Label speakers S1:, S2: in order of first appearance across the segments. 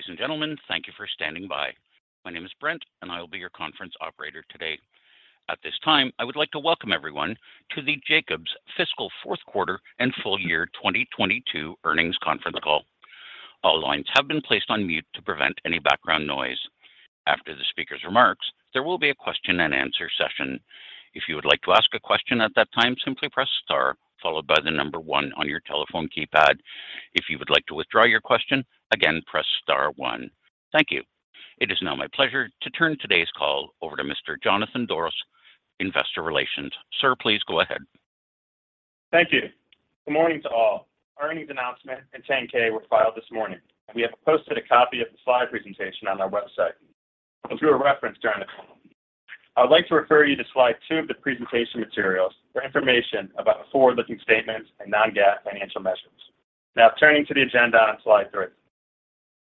S1: Ladies and gentlemen, thank you for standing by. My name is Brent. I will be your conference operator today. At this time, I would like to welcome everyone to the Jacobs Fiscal Fourth Quarter and Full Year 2022 Earnings Conference Call. All lines have been placed on mute to prevent any background noise. After the speaker's remarks, there will be a question and answer session. If you would like to ask a question at that time, simply press star followed by one on your telephone keypad. If you would like to withdraw your question, again, press star zero. Thank you. It is now my pleasure to turn today's call over to Mr. Jonathan Doros, Investor Relations. Sir, please go ahead.
S2: Thank you. Good morning to all. Earnings announcement and 10-K were filed this morning. We have posted a copy of the slide presentation on our website. We'll do a reference during the call. I'd like to refer you to slide two of the presentation materials for information about forward-looking statements and Non-GAAP financial measures. Turning to the agenda on slide three.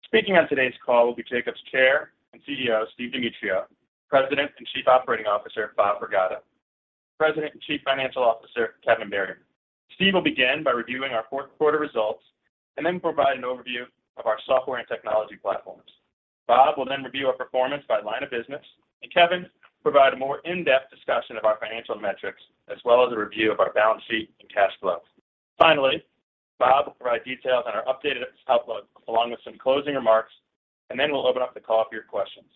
S2: Speaking on today's call will be Jacobs Chair and CEO, Steve Demetriou, President and Chief Operating Officer, Bob Pragada, President and Chief Financial Officer, Kevin Berryman. Steve will begin by reviewing our fourth quarter results then provide an overview of our software and technology platforms. Bob will review our performance by line of business, Kevin will provide a more in-depth discussion of our financial metrics, as well as a review of our balance sheet and cash flow. Bob will provide details on our updated outlook, along with some closing remarks, and then we'll open up the call for your questions.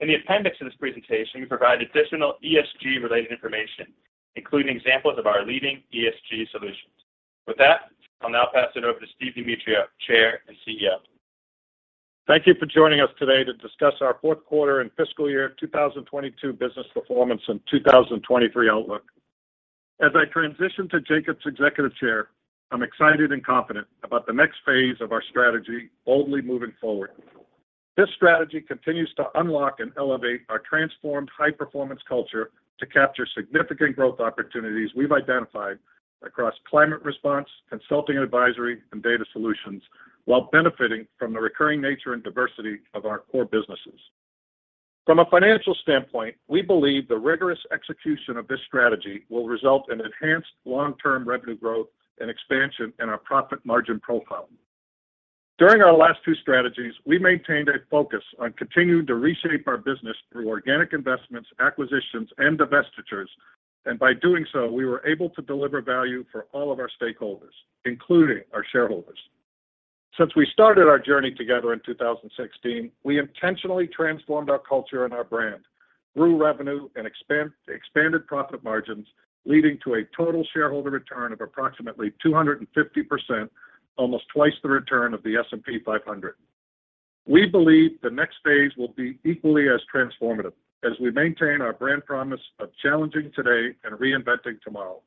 S2: In the appendix of this presentation, we provide additional ESG related information, including examples of our leading ESG solutions. I'll now pass it over to Steve Demetriou, Chair and CEO.
S3: Thank you for joining us today to discuss our fourth quarter and fiscal year 2022 business performance and 2023 outlook. As I transition to Jacobs Executive Chair, I'm excited and confident about the next phase of our strategy boldly moving forward. This strategy continues to unlock and elevate our transformed high-performance culture to capture significant growth opportunities we've identified across climate response, consulting, and advisory, and data solutions, while benefiting from the recurring nature and diversity of our core businesses. From a financial standpoint, we believe the rigorous execution of this strategy will result in enhanced long-term revenue growth and expansion in our profit margin profile. During our last two strategies, we maintained a focus on continuing to reshape our business through organic investments, acquisitions, and divestitures. By doing so, we were able to deliver value for all of our stakeholders, including our shareholders. Since we started our journey together in 2016, we intentionally transformed our culture and our brand through revenue and expanded profit margins, leading to a total shareholder return of approximately 250%, almost twice the return of the S&P 500. We believe the next phase will be equally as transformative as we maintain our brand promise of challenging today and reinventing tomorrow.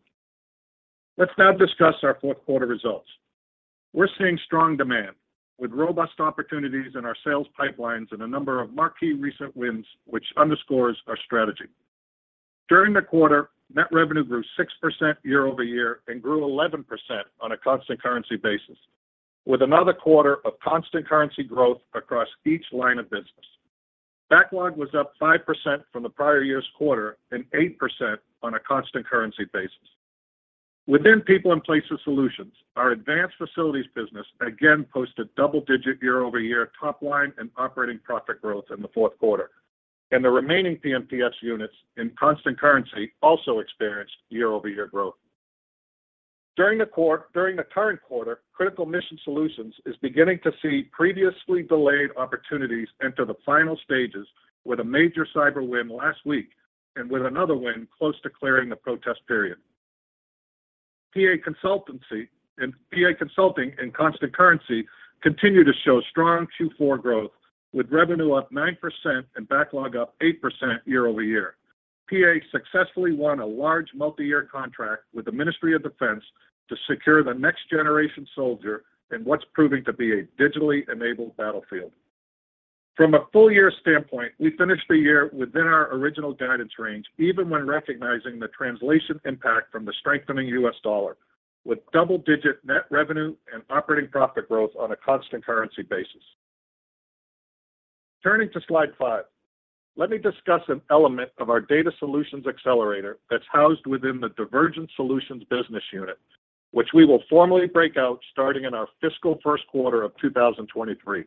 S3: Let's now discuss our fourth quarter results. We're seeing strong demand with robust opportunities in our sales pipelines and a number of marquee recent wins, which underscores our strategy. During the quarter, net revenue grew 6% year-over-year and grew 11% on a constant currency basis, with another quarter of constant currency growth across each line of business. Backlog was up 5% from the prior year's quarter and 8% on a constant currency basis. Within People & Places Solutions, our advanced facilities business again posted double-digit year-over-year top line and operating profit growth in the fourth quarter. The remaining P&PS units in constant currency also experienced year-over-year growth. During the current quarter, Critical Mission Solutions is beginning to see previously delayed opportunities enter the final stages with a major cyber win last week and with another win close to clearing the protest period. PA Consulting and constant currency continue to show strong Q4 growth with revenue up 9% and backlog up 8% year-over-year. PA successfully won a large multi-year contract with the Ministry of Defence to secure the next generation soldier in what's proving to be a digitally-enabled battlefield. From a full year standpoint, we finished the year within our original guidance range, even when recognizing the translation impact from the strengthening U.S. dollar, with double-digit net revenue and operating profit growth on a constant currency basis. Turning to slide five, let me discuss an element of our data solutions accelerator that's housed within the Divergent Solutions business unit, which we will formally break out starting in our fiscal first quarter of 2023.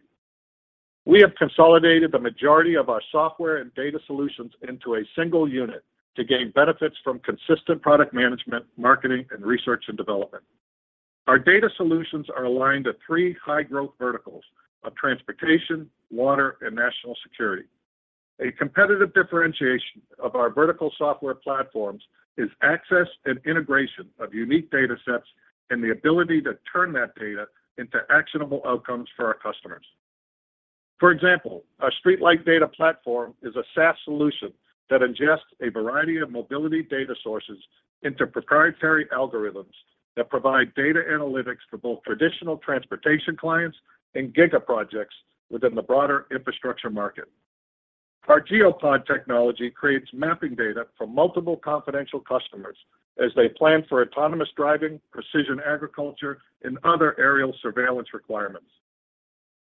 S3: We have consolidated the majority of our software and data solutions into a single unit to gain benefits from consistent product management, marketing, and research and development. Our data solutions are aligned to three high-growth verticals of transportation, water, and national security. A competitive differentiation of our vertical software platforms is access and integration of unique datasets and the ability to turn that data into actionable outcomes for our customers. For example, our StreetLight Data platform is a SaaS solution that ingests a variety of mobility data sources into proprietary algorithms that provide data analytics for both traditional transportation clients and giga projects within the broader infrastructure market. Our GeoPod technology creates mapping data for multiple confidential customers as they plan for autonomous driving, precision agriculture, and other aerial surveillance requirements.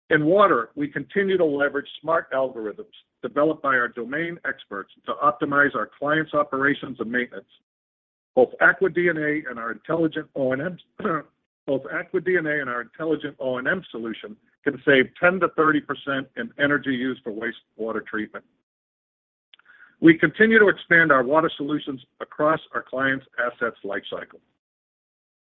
S3: In water, we continue to leverage smart algorithms developed by our domain experts to optimize our clients' operations and maintenance. Both Aqua DNA and our Intelligent O&M solution can save 10%-30% in energy used for wastewater treatment. We continue to expand our water solutions across our clients' assets lifecycle.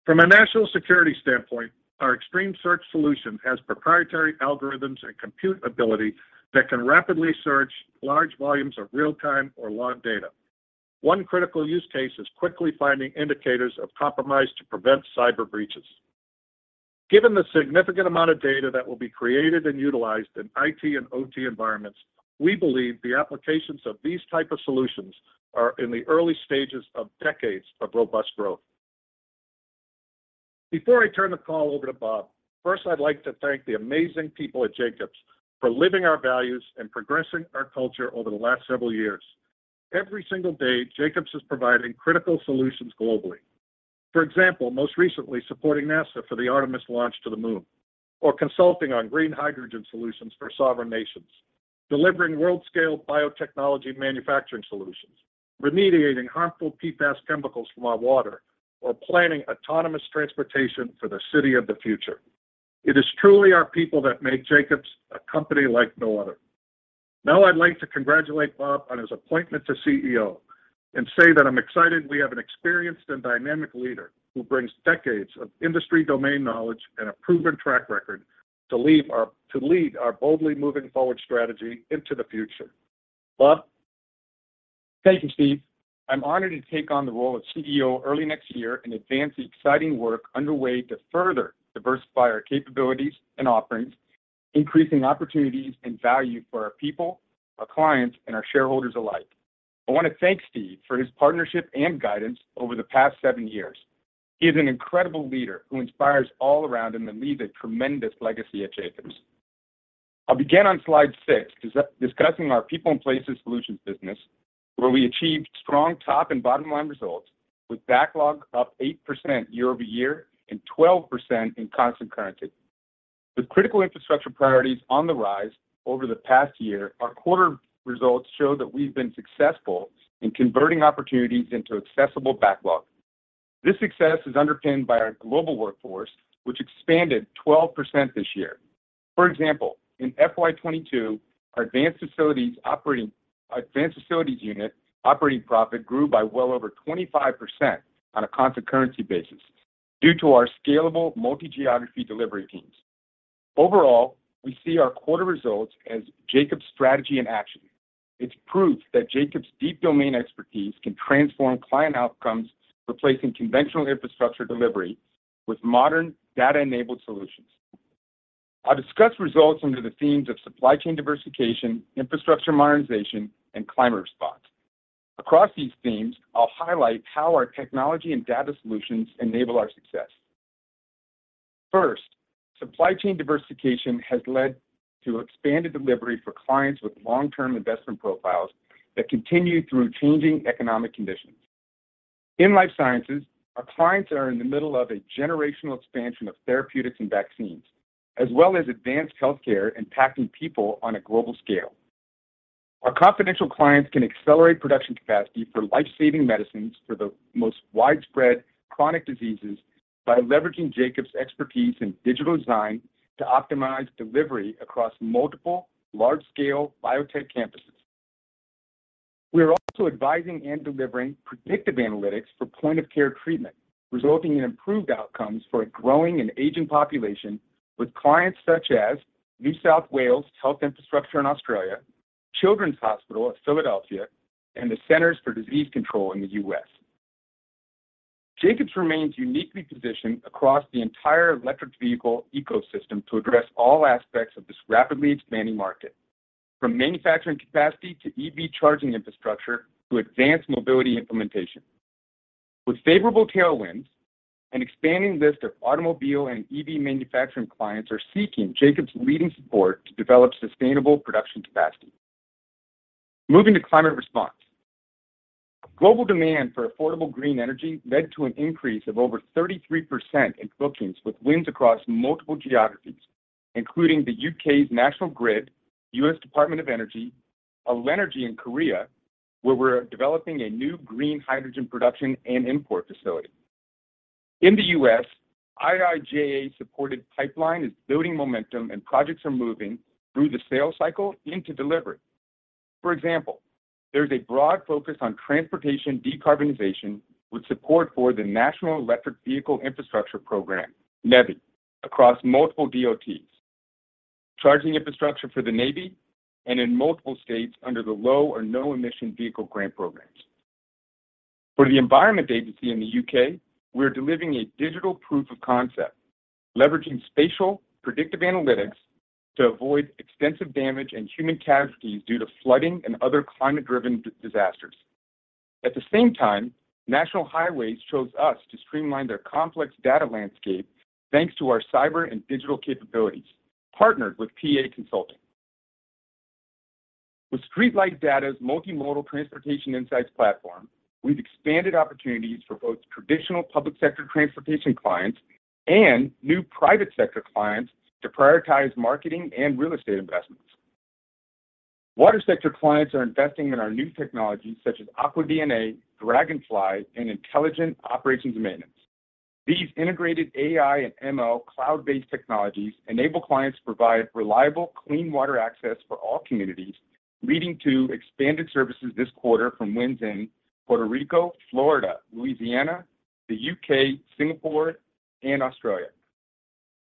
S3: From a national security standpoint, our Extreme Search solution has proprietary algorithms and compute ability that can rapidly search large volumes of real-time or logged data. One critical use case is quickly finding indicators of compromise to prevent cyber breaches. Given the significant amount of data that will be created and utilized in IT and OT environments, we believe the applications of these type of solutions are in the early stages of decades of robust growth. Before I turn the call over to Bob, first I'd like to thank the amazing people at Jacobs for living our values and progressing our culture over the last several years. Every single day, Jacobs is providing critical solutions globally. For example, most recently supporting NASA for the Artemis launch to the moon, or consulting on green hydrogen solutions for sovereign nations, delivering world-scale biotechnology manufacturing solutions, remediating harmful PFAS chemicals from our water, or planning autonomous transportation for the city of the future. It is truly our people that make Jacobs a company like no other. Now, I'd like to congratulate Bob on his appointment to CEO and say that I'm excited we have an experienced and dynamic leader who brings decades of industry domain knowledge and a proven track record to lead our boldly moving forward strategy into the future. Bob?
S4: Thank you, Steve. I'm honored to take on the role of CEO early next year and advance the exciting work underway to further diversify our capabilities and offerings, increasing opportunities and value for our people, our clients, and our shareholders alike. I want to thank Steve for his partnership and guidance over the past seven years. He is an incredible leader who inspires all around him and leaves a tremendous legacy at Jacobs. I'll begin on slide six, discussing our People and Places Solutions business, where we achieved strong top and bottom line results with backlog up 8% year-over-year and 12% in constant currency. With critical infrastructure priorities on the rise over the past year, our quarter results show that we've been successful in converting opportunities into accessible backlog. This success is underpinned by our global workforce, which expanded 12% this year. For example, in FY 22, our advanced facilities unit operating profit grew by well over 25% on a constant currency basis due to our scalable multi-geography delivery teams. Overall, we see our quarter results as Jacobs' strategy in action. It's proof that Jacobs' deep domain expertise can transform client outcomes, replacing conventional infrastructure delivery with modern data-enabled solutions. I'll discuss results under the themes of supply chain diversification, infrastructure modernization, and climate response. Across these themes, I'll highlight how our technology and data solutions enable our success. First, supply chain diversification has led to expanded delivery for clients with long-term investment profiles that continue through changing economic conditions. In life sciences, our clients are in the middle of a generational expansion of therapeutics and vaccines, as well as advanced healthcare impacting people on a global scale. Our confidential clients can accelerate production capacity for life-saving medicines for the most widespread chronic diseases by leveraging Jacobs' expertise in digital design to optimize delivery across multiple large-scale biotech campuses. We are also advising and delivering predictive analytics for point-of-care treatment, resulting in improved outcomes for a growing and aging population with clients such as New South Wales Health Infrastructure in Australia, Children's Hospital of Philadelphia, and the Centers for Disease Control in the U.S. Jacobs remains uniquely positioned across the entire electric vehicle ecosystem to address all aspects of this rapidly expanding market, from manufacturing capacity to EV charging infrastructure to advanced mobility implementation. With favorable tailwinds, an expanding list of automobile and EV manufacturing clients are seeking Jacobs' leading support to develop sustainable production capacity. Moving to climate response. Global demand for affordable green energy led to an increase of over 33% in bookings with wins across multiple geographies, including the U.K.'s National Grid, U.S. Department of Energy, Yul-ho Energy in Korea, where we're developing a new green hydrogen production and import facility. In the U.S., IIJA-supported pipeline is building momentum and projects are moving through the sales cycle into delivery. For example, there's a broad focus on transportation decarbonization with support for the National Electric Vehicle Infrastructure Program, NEVI, across multiple DOTs, charging infrastructure for the Navy, and in multiple states under the low or no emission vehicle grant programs. For the Environment Agency in the U.K., we're delivering a digital proof of concept, leveraging spatial predictive analytics to avoid extensive damage and human casualties due to flooding and other climate-driven disasters. At the same time, National Highways chose us to streamline their complex data landscape thanks to our cyber and digital capabilities, partnered with PA Consulting. With StreetLight Data's Multimodal Transportation Insights platform, we've expanded opportunities for both traditional public sector transportation clients and new private sector clients to prioritize marketing and real estate investments. Water sector clients are investing in our new technologies such as Aqua DNA, Dragonfly, and Intelligent O&M. These integrated AI and ML cloud-based technologies enable clients to provide reliable clean water access for all communities, leading to expanded services this quarter from Winston, Puerto Rico, Florida, Louisiana, the UK, Singapore, and Australia.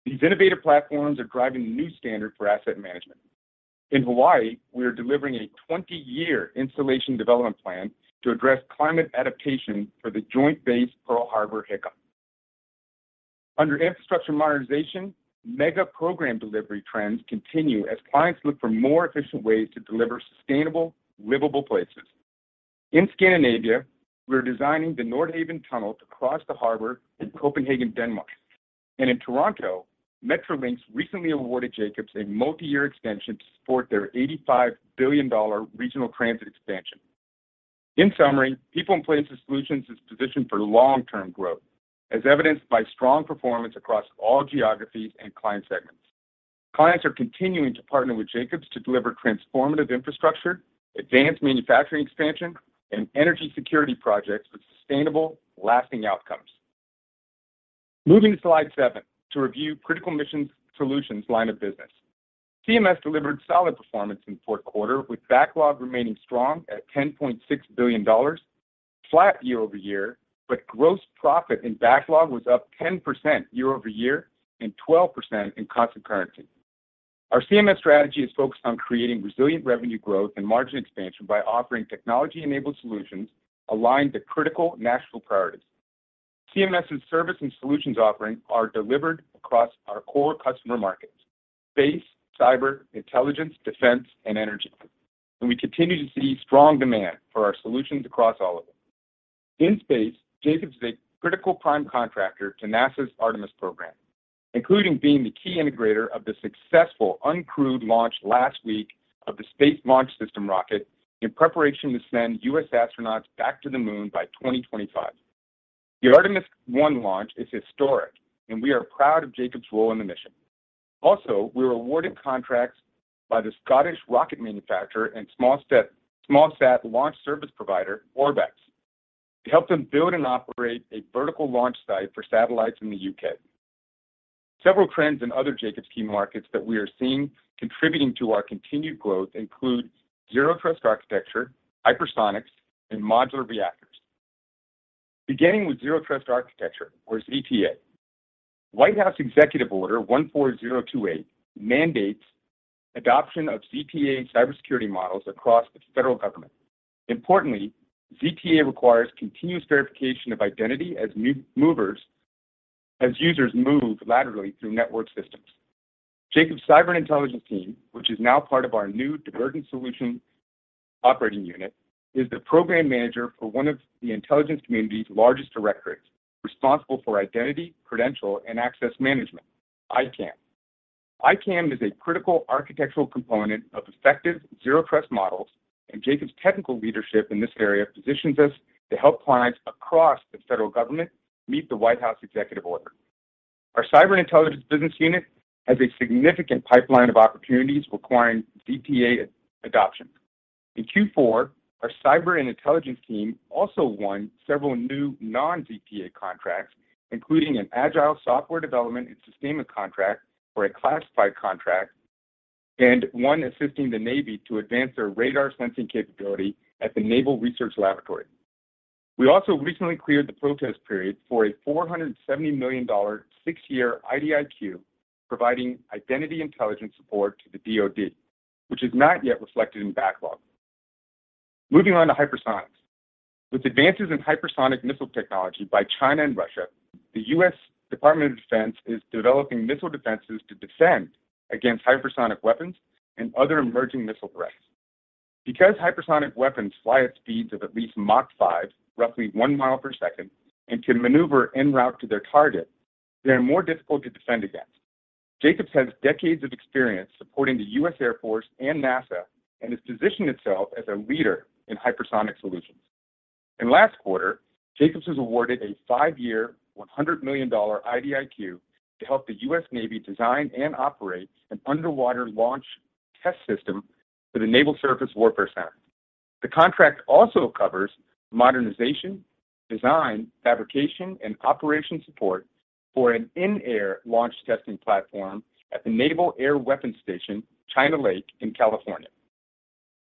S4: These innovative platforms are driving a new standard for asset management. In Hawaii, we are delivering a 20-year installation development plan to address climate adaptation for the joint base Pearl Harbor-Hickam. Under infrastructure modernization, mega program delivery trends continue as clients look for more efficient ways to deliver sustainable, livable places. In Scandinavia, we're designing the Nordhavn Tunnel to cross the harbor in Copenhagen, Denmark, and in Toronto, Metrolinx recently awarded Jacobs a multi-year extension to support their $85 billion regional transit expansion. In summary, People & Places Solutions is positioned for long-term growth, as evidenced by strong performance across all geographies and client segments. Clients are continuing to partner with Jacobs to deliver transformative infrastructure, advanced manufacturing expansion, and energy security projects with sustainable, lasting outcomes. Moving to slide seven to review Critical Mission Solutions line of business. CMS delivered solid performance in the fourth quarter, with backlog remaining strong at $10.6 billion, flat year-over-year, but gross profit in backlog was up 10% year-over-year and 12% in constant currency. Our CMS strategy is focused on creating resilient revenue growth and margin expansion by offering technology-enabled solutions aligned to critical national priorities. CMS's service and solutions offerings are delivered across our core customer markets: space, cyber, intelligence, defense, and energy, and we continue to see strong demand for our solutions across all of them. In space, Jacobs is a critical prime contractor to NASA's Artemis program, including being the key integrator of the successful uncrewed launch last week of the Space Launch System rocket in preparation to send U.S. astronauts back to the moon by 2025. The Artemis one launch is historic, and we are proud of Jacobs' role in the mission. We were awarded contracts by the Scottish rocket manufacturer and small sat launch service provider, Orbex. We help them build and operate a vertical launch site for satellites in the U.K. Several trends in other Jacobs key markets that we are seeing contributing to our continued growth include Zero-Trust Architecture, hypersonics, and modular reactors. Beginning with Zero-Trust Architecture or ZTA. White House Executive Order 14028 mandates adoption of ZTA cybersecurity models across the federal government. Importantly, ZTA requires continuous verification of identity as users move laterally through network systems. Jacobs' cyber intelligence team, which is now part of our new Divergent Solutions operating unit, is the program manager for one of the intelligence community's largest directorates, responsible for Identity, Credential, and Access Management, ICAM. ICAM is a critical architectural component of effective Zero-Trust models, and Jacobs' technical leadership in this area positions us to help clients across the federal government meet the White House Executive Order. Our cyber intelligence business unit has a significant pipeline of opportunities requiring ZTA adoption. In Q4, our cyber and intelligence team also won several new non-ZTA contracts, including an agile software development and sustainment contract for a classified contract and one assisting the Navy to advance their radar sensing capability at the Naval Research Laboratory. We also recently cleared the protest period for a $470 million six-year IDIQ, providing identity intelligence support to the DOD, which is not yet reflected in backlog. Moving on to hypersonics. With advances in hypersonic missile technology by China and Russia, the U.S. Department of Defense is developing missile defenses to defend against hypersonic weapons and other emerging missile threats. Because hypersonic weapons fly at speeds of at least Mach five, roughly one mile per second, and can maneuver en route to their target, they are more difficult to defend against. Jacobs has decades of experience supporting the US Air Force and NASA and has positioned itself as a leader in hypersonic solutions. In last quarter, Jacobs was awarded a five-year, $100 million IDIQ to help the US Navy design and operate an underwater launch test system for the Naval Surface Warfare Center. The contract also covers modernization, design, fabrication, and operation support for an in-air launch testing platform at the Naval Air Weapons Station China Lake in California.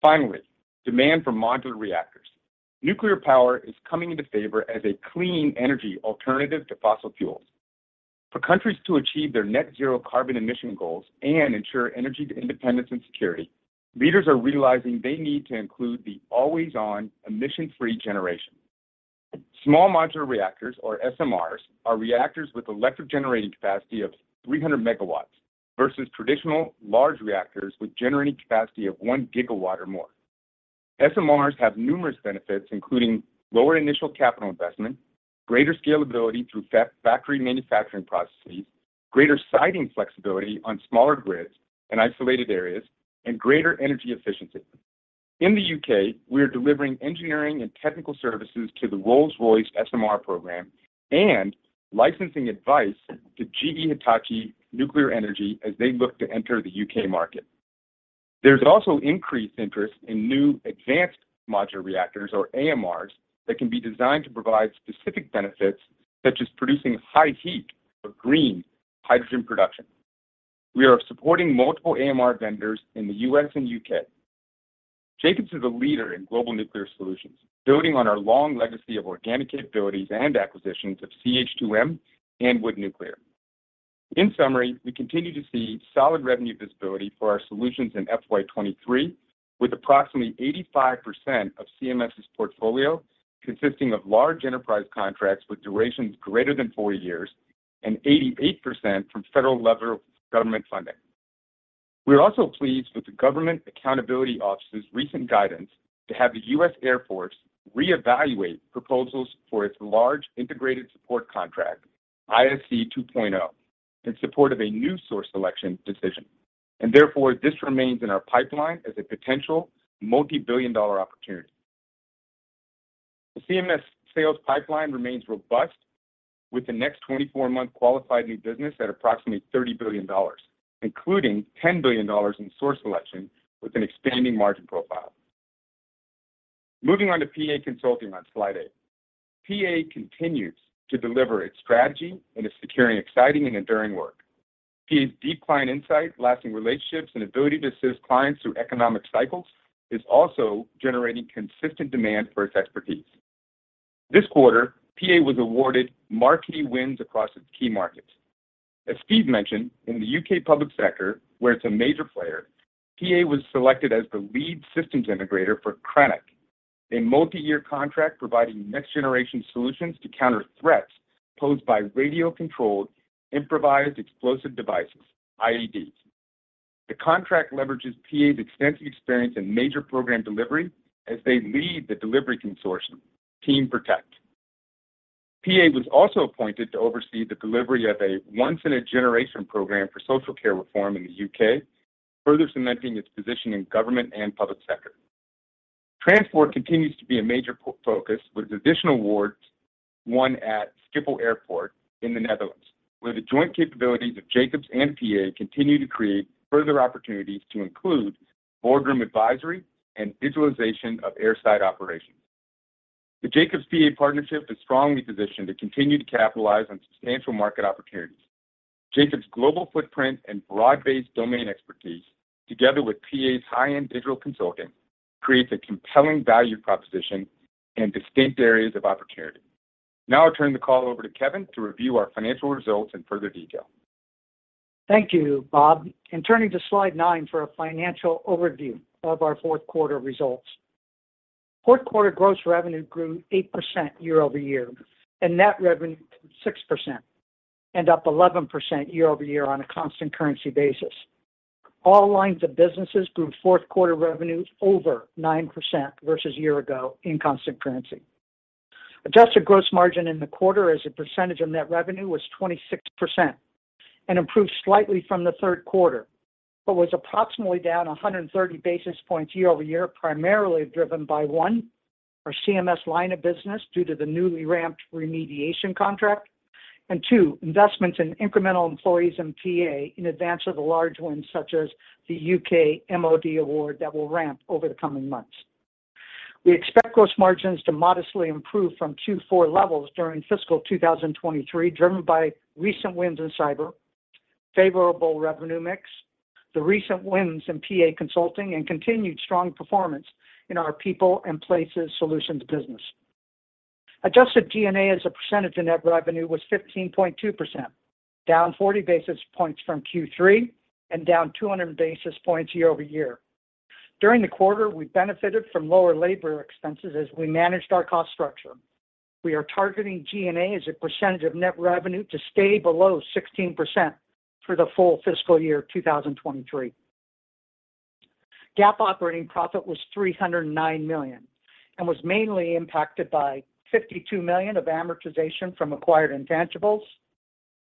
S4: Finally, demand for modular reactors. Nuclear power is coming into favor as a clean energy alternative to fossil fuels. For countries to achieve their net zero carbon emission goals and ensure energy independence and security, leaders are realizing they need to include the always-on emission-free generation. Small modular reactors, or SMRs, are reactors with electric generating capacity of 300 megawatts versus traditional large reactors with generating capacity of one gigawatt or more. SMRs have numerous benefits, including lower initial capital investment, greater scalability through factory manufacturing processes, greater siting flexibility on smaller grids and isolated areas, and greater energy efficiency. In the U.K., we are delivering engineering and technical services to the Rolls-Royce SMR program and licensing advice to GE Hitachi Nuclear Energy as they look to enter the U.K. market. There's also increased interest in new advanced modular reactors or AMRs, that can be designed to provide specific benefits, such as producing high heat for green hydrogen production. We are supporting multiple AMR vendors in the U.S. and U.K. Jacobs is a leader in global nuclear solutions, building on our long legacy of organic capabilities and acquisitions of CH2M and Wood Nuclear. In summary, we continue to see solid revenue visibility for our solutions in FY 2023, with approximately 85% of CMS's portfolio consisting of large enterprise contracts with durations greater than 4 years, and 88% from federal level government funding. We're also pleased with the Government Accountability Office's recent guidance to have the US Air Force reevaluate proposals for its large integrated support contract, ISC 2.0, in support of a new source selection decision. Therefore, this remains in our pipeline as a potential multi-billion dollar opportunity. The CMS sales pipeline remains robust with the next 24-month qualified new business at approximately $30 billion, including $10 billion in source selection with an expanding margin profile. Moving on to PA Consulting on slide 8. PA continues to deliver its strategy and is securing exciting and enduring work. PA's deep client insight, lasting relationships, and ability to assist clients through economic cycles is also generating consistent demand for its expertise. This quarter, PA was awarded marquee wins across its key markets. As Steve mentioned, in the U.K. public sector, where it's a major player, PA was selected as the lead systems integrator for Kraniak, a multi-year contract providing next generation solutions to counter threats posed by radio-controlled improvised explosive devices, IEDs. The contract leverages PA's extensive experience in major program delivery as they lead the delivery consortium, Team Protect. PA was also appointed to oversee the delivery of a once in a generation program for social care reform in the U.K., further cementing its position in government and public sector. Transport continues to be a major focus, with additional awards won at Schiphol Airport in the Netherlands, where the joint capabilities of Jacobs and PA continue to create further opportunities to include boardroom advisory and digitalization of airside operations. The Jacobs PA partnership is strongly positioned to continue to capitalize on substantial market opportunities. Jacobs' global footprint and broad-based domain expertise, together with PA's high-end digital consulting, creates a compelling value proposition in distinct areas of opportunity. Now I turn the call over to Kevin to review our financial results in further detail.
S5: Thank you, Bob. Turning to slide nine for a financial overview of our fourth quarter results. Fourth quarter gross revenue grew 8% year-over-year, and net revenue 6%, and up 11% year-over-year on a constant currency basis. All lines of businesses grew fourth quarter revenue over 9% versus year ago in constant currency. Adjusted gross margin in the quarter as a percentage of net revenue was 26% and improved slightly from the third quarter, but was approximately down 130 basis points year-over-year, primarily driven by one, our CMS line of business due to the newly ramped remediation contract, and 2, investments in incremental employees in PA in advance of the large wins such as the UK MoD award that will ramp over the coming months. We expect gross margins to modestly improve from Q4 levels during fiscal 2023, driven by recent wins in cyber, favorable revenue mix, the recent wins in PA Consulting, and continued strong performance in our People & Places Solutions business. Adjusted G&A as a percentage of net revenue was 15.2%, down 40 basis points from Q3, and down 200 basis points year-over-year. During the quarter, we benefited from lower labor expenses as we managed our cost structure. We are targeting G&A as a percentage of net revenue to stay below 16% for the full fiscal year 2023. GAAP operating profit was $309 million and was mainly impacted by $52 million of amortization from acquired intangibles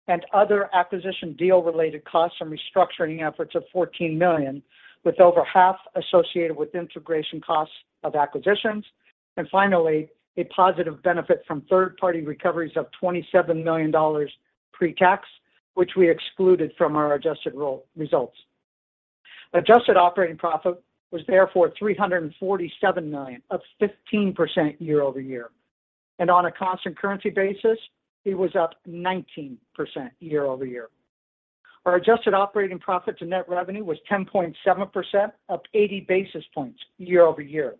S5: and other acquisition deal related costs and restructuring efforts of $14 million, with over half associated with integration costs of acquisitions, and finally, a positive benefit from third-party recoveries of $27 million pre-tax, which we excluded from our adjusted roll results. Adjusted operating profit was therefore $347 million, up 15% year-over-year, and on a constant currency basis, it was up 19% year-over-year. Our adjusted operating profit to net revenue was 10.7%, up 80 basis points year-over-year.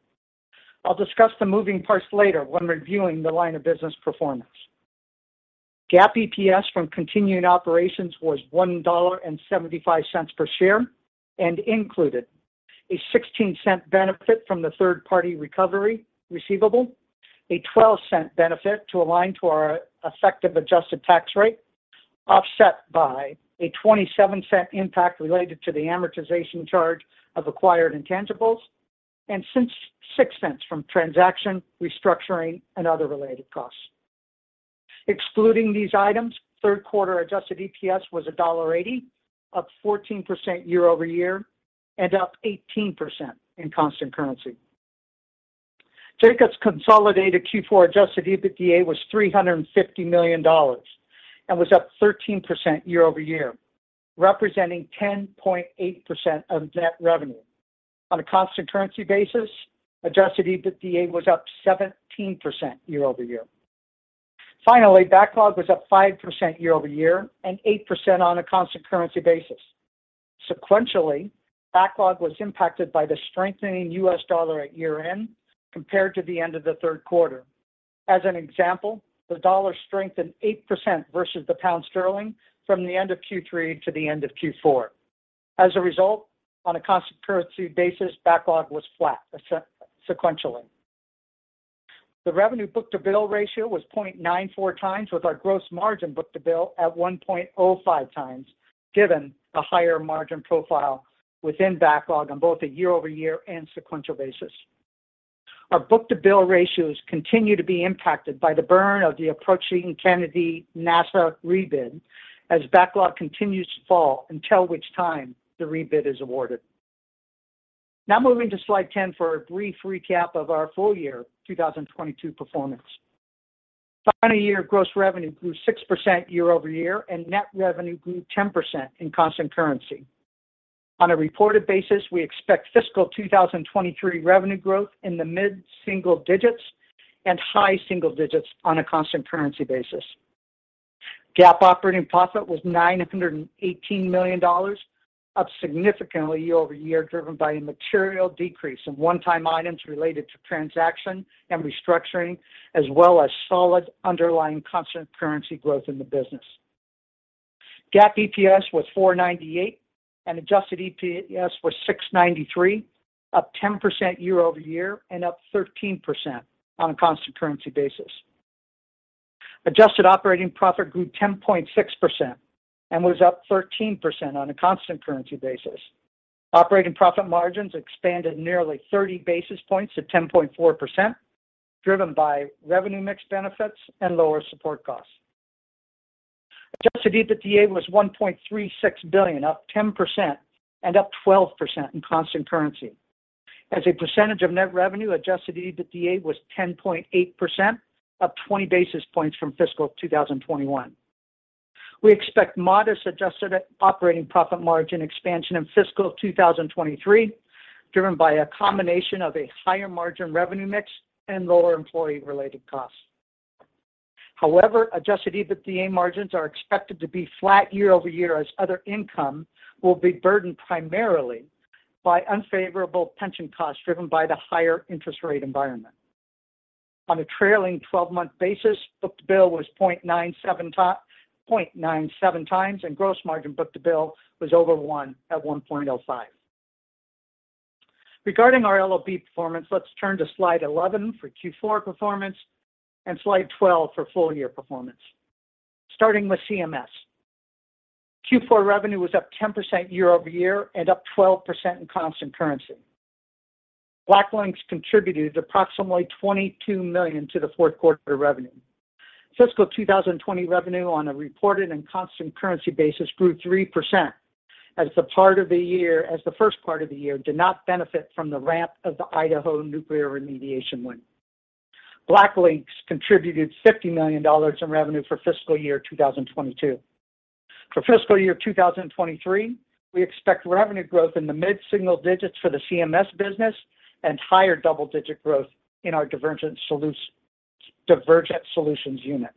S5: I'll discuss the moving parts later when reviewing the line of business performance. GAAP EPS from continuing operations was $1.75 per share and included a $0.16 benefit from the third-party recovery receivable, a $0.12 benefit to align to our effective adjusted tax rate, offset by a $0.27 impact related to the amortization charge of acquired intangibles, and $0.06 from transaction restructuring and other related costs. Excluding these items, third quarter adjusted EPS was $1.80, up 14% year-over-year, and up 18% in constant currency. Jacobs' consolidated Q4 adjusted EBITDA was $350 million and was up 13% year-over-year, representing 10.8% of net revenue. On a constant currency basis, adjusted EBITDA was up 17% year-over-year. Finally, backlog was up 5% year-over-year and 8% on a constant currency basis. Sequentially, backlog was impacted by the strengthening U.S. dollar at year-end compared to the end of the third quarter. As an example, the dollar strengthened 8% versus the pound sterling from the end of Q3 to the end of Q4. As a result, on a constant currency basis, backlog was flat sequentially. The revenue book-to-bill ratio was 0.94 times with our gross margin book-to-bill at 1.05 times, given the higher margin profile within backlog on both a year-over-year and sequential basis. Our book-to-bill ratios continue to be impacted by the burn of the approaching Kennedy NASA rebid as backlog continues to fall until which time the rebid is awarded. Now moving to slide 10 for a brief recap of our full year 2022 performance. Final year gross revenue grew 6% year-over-year, and net revenue grew 10% in constant currency. On a reported basis, we expect fiscal 2023 revenue growth in the mid-single digits and high single digits on a constant currency basis. GAAP operating profit was $918 million, up significantly year-over-year, driven by a material decrease in one-time items related to transaction and restructuring, as well as solid underlying constant currency growth in the business. GAAP EPS was $4.98, and adjusted EPS was $6.93, up 10% year-over-year and up 13% on a constant currency basis. Adjusted operating profit grew 10.6% and was up 13% on a constant currency basis. Operating profit margins expanded nearly 30 basis points to 10.4%, driven by revenue mix benefits and lower support costs. Adjusted EBITDA was $1.36 billion, up 10% and up 12% in constant currency. As a percentage of net revenue, adjusted EBITDA was 10.8%, up 20 basis points from fiscal 2021. We expect modest adjusted operating profit margin expansion in fiscal 2023, driven by a combination of a higher margin revenue mix and lower employee-related costs. However, adjusted EBITDA margins are expected to be flat year-over-year as other income will be burdened primarily by unfavorable pension costs driven by the higher interest rate environment. On a trailing 12-month basis, book-to-bill was 0.97 times, and gross margin book-to-bill was over 1 at 1.05. Regarding our LLB performance, let's turn to slide 11 for Q4 performance and slide 12 for full-year performance. Starting with CMS. Q4 revenue was up 10% year-over-year and up 12% in constant currency. BlackLynx contributed approximately $22 million to the fourth quarter revenue. Fiscal 2020 revenue on a reported and constant currency basis grew 3% as the first part of the year did not benefit from the ramp of the Idaho Nuclear Remediation win. BlackLynx contributed $50 million in revenue for fiscal year 2022. For fiscal year 2023, we expect revenue growth in the mid-single digits for the CMS business and higher double-digit growth in our Divergent Solutions unit.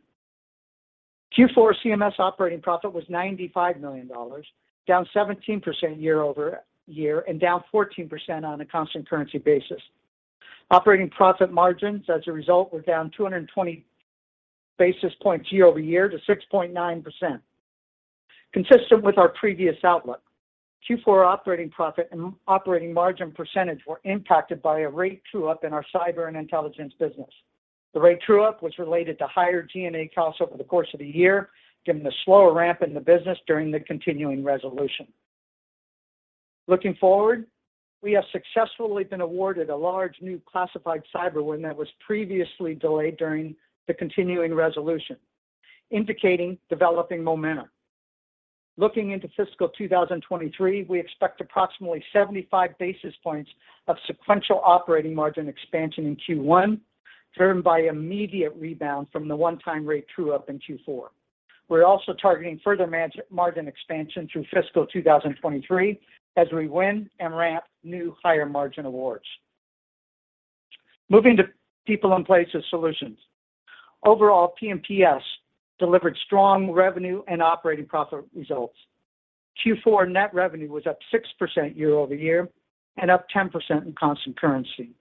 S5: Q4 CMS operating profit was $95 million, down 17% year-over-year and down 14% on a constant currency basis. Operating profit margins as a result were down 220 basis points year-over-year to 6.9%. Consistent with our previous outlook, Q4 operating profit and operating margin % were impacted by a rate true-up in our cyber and intelligence business. The rate true-up was related to higher G&A costs over the course of the year, given the slower ramp in the business during the continuing resolution. We have successfully been awarded a large new classified cyber win that was previously delayed during the continuing resolution, indicating developing momentum. We expect approximately 75 basis points of sequential operating margin expansion in Q1, driven by immediate rebound from the one-time rate true-up in Q4. We're also targeting further margin expansion through fiscal 2023 as we win and ramp new higher-margin awards. People & Places Solutions. Overall, PMPS delivered strong revenue and operating profit results. Q4 net revenue was up 6% year-over-year and up 10% in constant currency.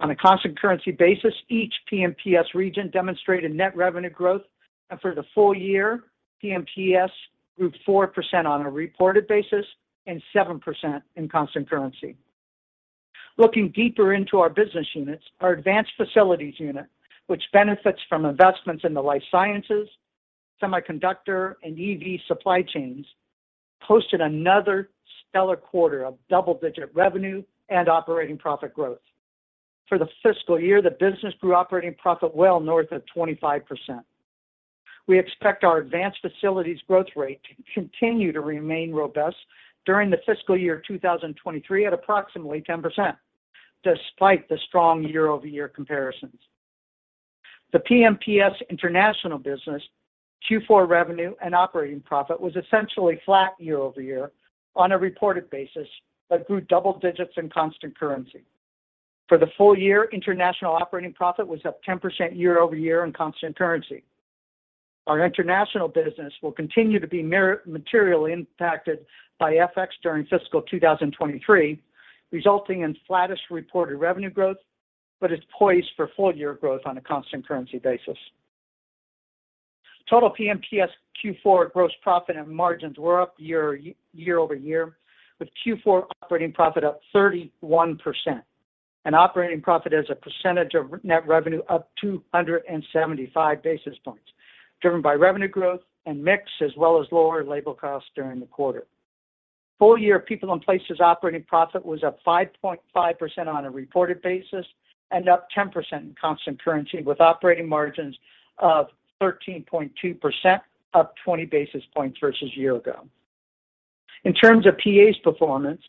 S5: On a constant currency basis, each PMPS region demonstrated net revenue growth, and for the full year, PMPS grew 4% on a reported basis and 7% in constant currency. Looking deeper into our business units, our Advanced Facilities unit, which benefits from investments in the life sciences, semiconductor, and EV supply chains, posted another stellar quarter of double-digit revenue and operating profit growth. For the fiscal year, the business grew operating profit well north of 25%. We expect our Advanced Facilities growth rate to continue to remain robust during the fiscal year 2023 at approximately 10% despite the strong year-over-year comparisons. The PMPS international business Q4 revenue and operating profit was essentially flat year-over-year on a reported basis, but grew double digits in constant currency. For the full year, international operating profit was up 10% year-over-year in constant currency. Our international business will continue to be materially impacted by FX during fiscal 2023, resulting in flattest reported revenue growth, but is poised for full-year growth on a constant currency basis. Total PMPS Q4 gross profit and margins were up year-over-year, with Q4 operating profit up 31%. Operating profit as a percentage of net revenue up 275 basis points, driven by revenue growth and mix as well as lower labor costs during the quarter. Full year People & Places Solutions operating profit was up 5.5% on a reported basis and up 10% in constant currency, with operating margins of 13.2%, up 20 basis points versus year ago. In terms of PA's performance,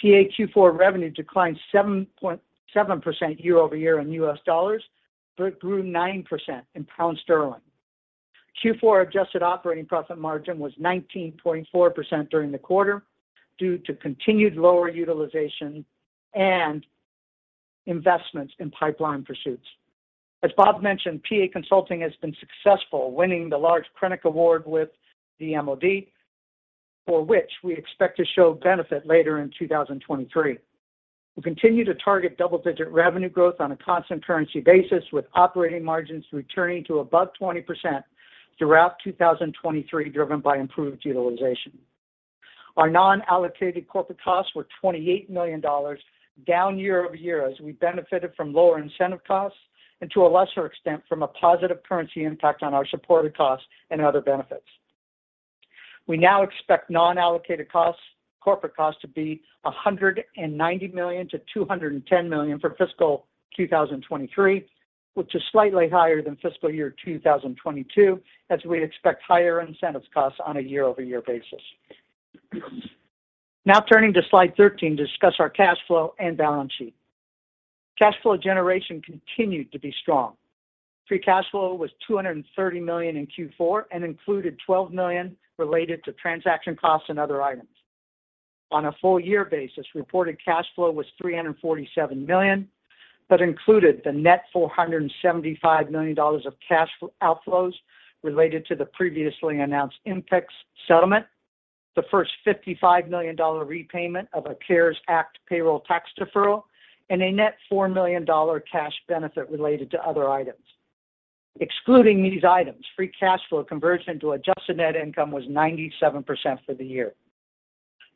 S5: PA Q4 revenue declined 7.7% year-over-year in USD, but grew 9% in GBP. Q4 adjusted operating profit margin was 19.4% during the quarter due to continued lower utilization and investments in pipeline pursuits. As Bob mentioned, PA Consulting has been successful winning the large credit award with the MOD, for which we expect to show benefit later in 2023. We continue to target double-digit revenue growth on a constant currency basis, with operating margins returning to above 20% throughout 2023, driven by improved utilization. Our non-allocated corporate costs were $28 million, down year-over-year as we benefited from lower incentive costs and to a lesser extent from a positive currency impact on our supported costs and other benefits. We now expect non-allocated costs, corporate costs, to be $190 million-$210 million for fiscal 2023, which is slightly higher than fiscal year 2022, as we expect higher incentive costs on a year-over-year basis. Turning to slide 13 to discuss our cash flow and balance sheet. Cash flow generation continued to be strong. Free cash flow was $230 million in Q4 and included $12 million related to transaction costs and other items. On a full year basis, reported cash flow was $347 million, but included the net $475 million of cash outflows related to the previously announced Inpex settlement, the first $55 million repayment of a CARES Act payroll tax deferral, and a net $4 million cash benefit related to other items. Excluding these items, free cash flow conversion to adjusted net income was 97% for the year.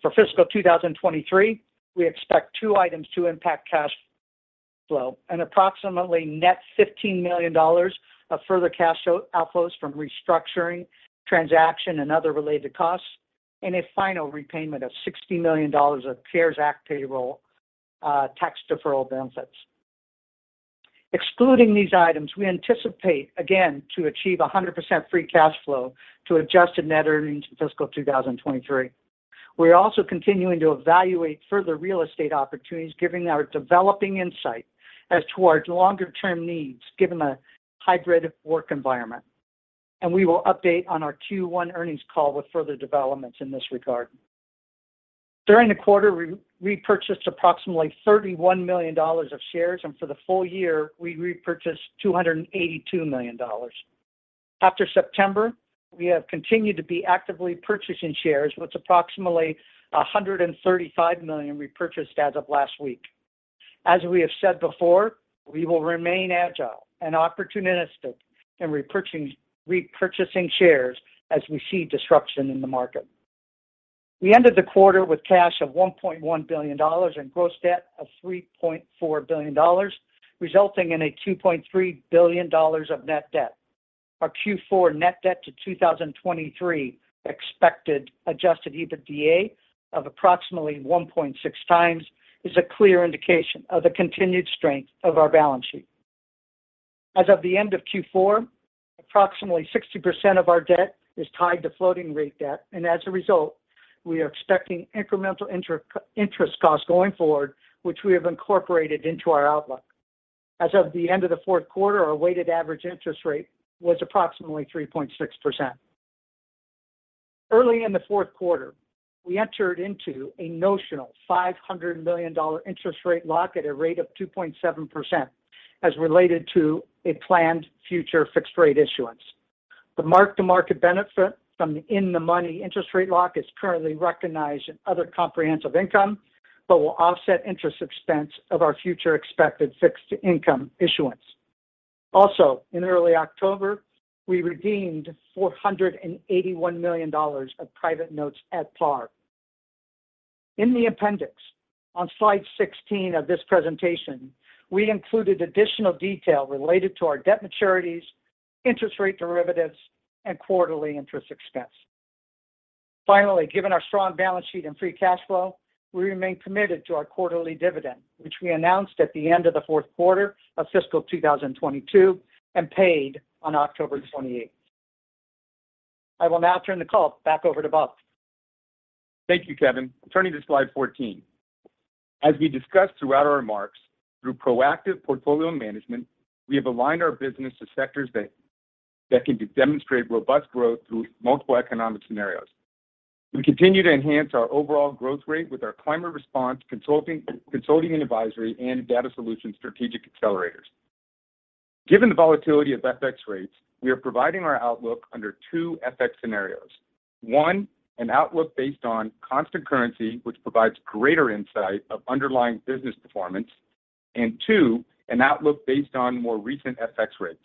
S5: For fiscal 2023, we expect two items to impact cash flow, and approximately net $15 million of further cash outflows from restructuring transaction and other related costs, and a final repayment of $60 million of CARES Act payroll tax deferral benefits. Excluding these items, we anticipate again to achieve 100% free cash flow to adjusted net earnings in fiscal 2023. We are also continuing to evaluate further real estate opportunities, giving our developing insight as to our longer-term needs, given the hybrid work environment. We will update on our Q1 earnings call with further developments in this regard. During the quarter, we repurchased approximately $31 million of shares, and for the full year, we repurchased $282 million. After September, we have continued to be actively purchasing shares, with approximately $135 million repurchased as of last week. As we have said before, we will remain agile and opportunistic in repurchasing shares as we see disruption in the market. We ended the quarter with cash of $1.1 billion and gross debt of $3.4 billion, resulting in $2.3 billion of net debt. Our Q4 net debt to 2023 expected adjusted EBITDA of approximately 1.6 times is a clear indication of the continued strength of our balance sheet. As of the end of Q4, approximately 60% of our debt is tied to floating rate debt, and as a result, we are expecting incremental inter-interest costs going forward, which we have incorporated into our outlook. As of the end of the fourth quarter, our weighted average interest rate was approximately 3.6%. Early in the fourth quarter, we entered into a notional $500 million interest rate lock at a rate of 2.7%, as related to a planned future fixed rate issuance. The mark-to-market benefit from the in-the-money interest rate lock is currently recognized in other comprehensive income, but will offset interest expense of our future expected fixed income issuance. In early October, we redeemed $481 million of private notes at par. In the appendix on slide 16 of this presentation, we included additional detail related to our debt maturities, interest rate derivatives, and quarterly interest expense. Given our strong balance sheet and free cash flow, we remain committed to our quarterly dividend, which we announced at the end of the fourth quarter of fiscal 2022 and paid on October 28th. I will now turn the call back over to Bob.
S4: Thank you, Kevin. Turning to slide 14. As we discussed throughout our remarks, through proactive portfolio management, we have aligned our business to sectors that can demonstrate robust growth through multiple economic scenarios. We continue to enhance our overall growth rate with our climate response consulting and advisory and data solution strategic accelerators. Given the volatility of FX rates, we are providing our outlook under two FX scenarios. One, an outlook based on constant currency, which provides greater insight of underlying business performance. Two, an outlook based on more recent FX rates.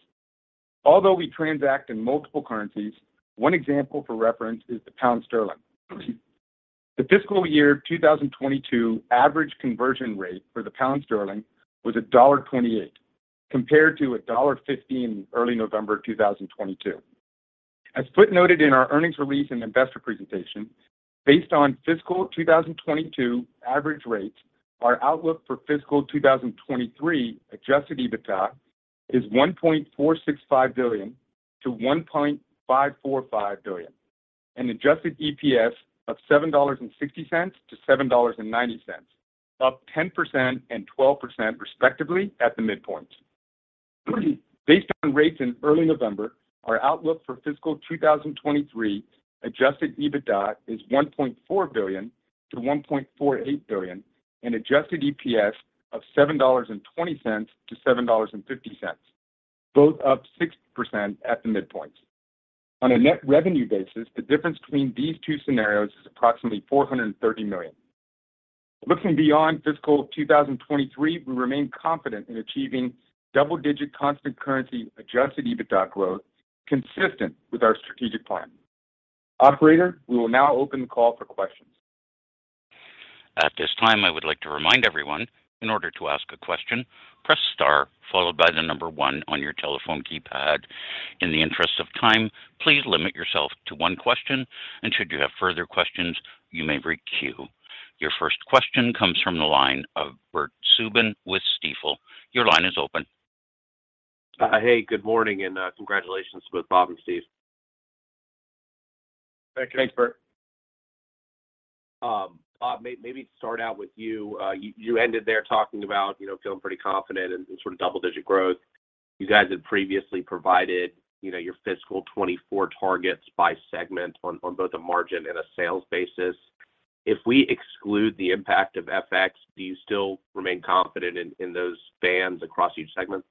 S4: Although we transact in multiple currencies, one example for reference is the pound sterling. The fiscal year 2022 average conversion rate for the pound sterling was $1.28, compared to $1.15 in early November 2022. As footnoted in our earnings release and investor presentation, based on fiscal 2022 average rates, our outlook for fiscal 2023 adjusted EBITDA is $1.465 billion-$1.545 billion. An adjusted EPS of $7.60-$7.90, up 10% and 12% respectively at the midpoint. Based on rates in early November, our outlook for fiscal 2023 adjusted EBITDA is $1.4 billion-$1.48 billion, and adjusted EPS of $7.20-$7.50, both up 6% at the midpoints. On a net revenue basis, the difference between these two scenarios is approximately $430 million. Looking beyond fiscal 2023, we remain confident in achieving double-digit constant currency adjusted EBITDA growth consistent with our strategic plan. Operator, we will now open the call for questions.
S1: At this time, I would like to remind everyone, in order to ask a question, press star followed by the 1 on your telephone keypad. In the interest of time, please limit yourself to 1 question, and should you have further questions, you may re-queue. Your first question comes from the line of Bert Subin with Stifel. Your line is open.
S6: hey, good morning and, congratulations both Bob and Steve.
S4: Thank you. Thanks, Bert.
S6: Bob, maybe start out with you. You ended there talking about, you know, feeling pretty confident and sort of double-digit growth. You guys had previously provided, you know, your fiscal 2024 targets by segment on both a margin and a sales basis. If we exclude the impact of FX, do you still remain confident in those bands across each segment?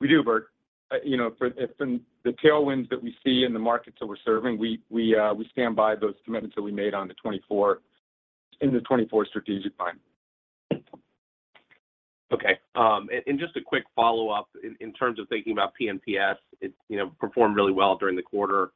S4: We do, Bert. You know, from the tailwinds that we see in the markets that we're serving, we stand by those commitments that we made in the 24 strategic plan.
S6: Okay. Just a quick follow-up in terms of thinking about PMTS. It, you know, performed really well during the quarter,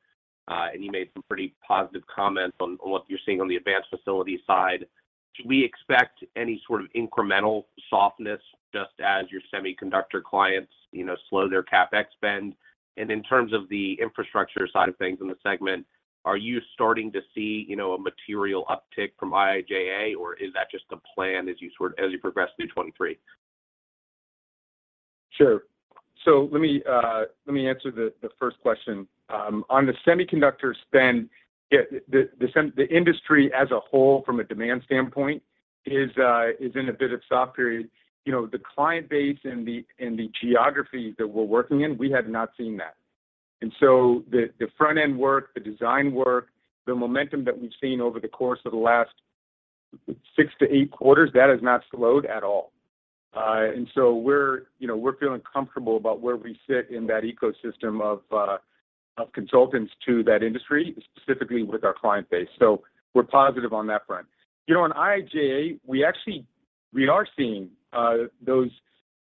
S6: and you made some pretty positive comments on what you're seeing on the advanced facility side. Should we expect any sort of incremental softness just as your semiconductor clients, you know, slow their CapEx spend? In terms of the infrastructure side of things in the segment, are you starting to see, you know, a material uptick from IIJA, or is that just the plan as you progress through 2023?
S4: Sure. Let me, let me answer the first question. On the semiconductor spend, yeah, the industry as a whole from a demand standpoint is in a bit of soft period. You know, the client base and the geography that we're working in, we have not seen that. The front-end work, the design work, the momentum that we've seen over the course of the last 6 to 8 quarters, that has not slowed at all. We're, you know, we're feeling comfortable about where we sit in that ecosystem of consultants to that industry, specifically with our client base. We're positive on that front. You know, on IIJA, we actually are seeing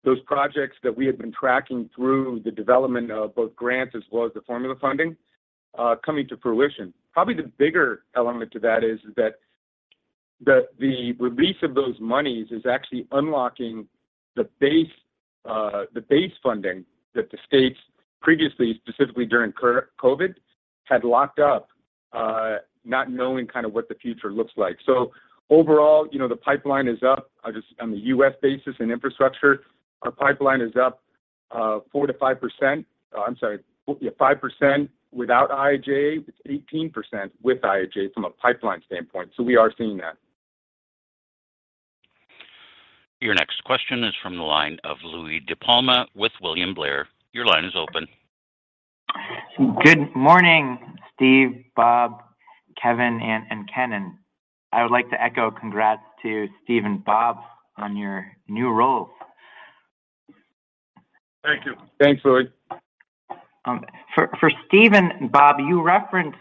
S4: those projects that we had been tracking through the development of both grants as well as the formula funding coming to fruition. Probably the bigger element to that is that the release of those monies is actually unlocking the base funding that the states previously, specifically during COVID, had locked up, not knowing kind of what the future looks like. Overall, you know, the pipeline is up. Just on the U.S. basis and infrastructure, our pipeline is up 4%-5%. I'm sorry. Yeah, 5% without IIJA. It's 18% with IIJA from a pipeline standpoint. We are seeing that.
S1: Your next question is from the line of Louis DiPalma with William Blair. Your line is open.
S7: Good morning, Steve, Bob, Kevin, and Kenan. I would like to echo congrats to Steve and Bob on your new roles.
S3: Thank you. Thanks, Louis.
S7: For Steve and Bob, you referenced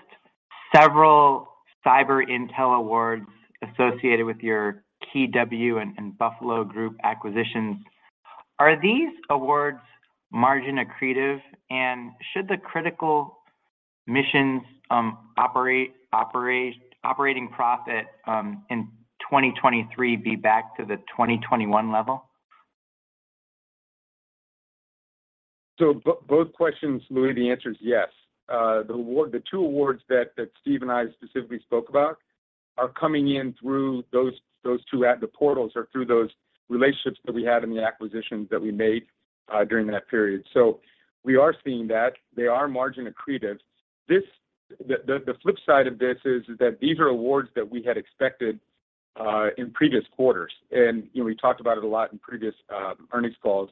S7: several cyber intel awards associated with your KeyW and Buffalo Group acquisitions. Are these awards margin accretive? Should the Critical Missions operating profit in 2023 be back to the 2021 level?
S4: Both questions, Louie, the answer is yes. The two awards that Steve and I specifically spoke about are coming in through those two the portals or through those relationships that we had in the acquisitions that we made during that period. We are seeing that. They are margin accretive. The flip side of this is that these are awards that we had expected in previous quarters. You know, we talked about it a lot in previous earnings calls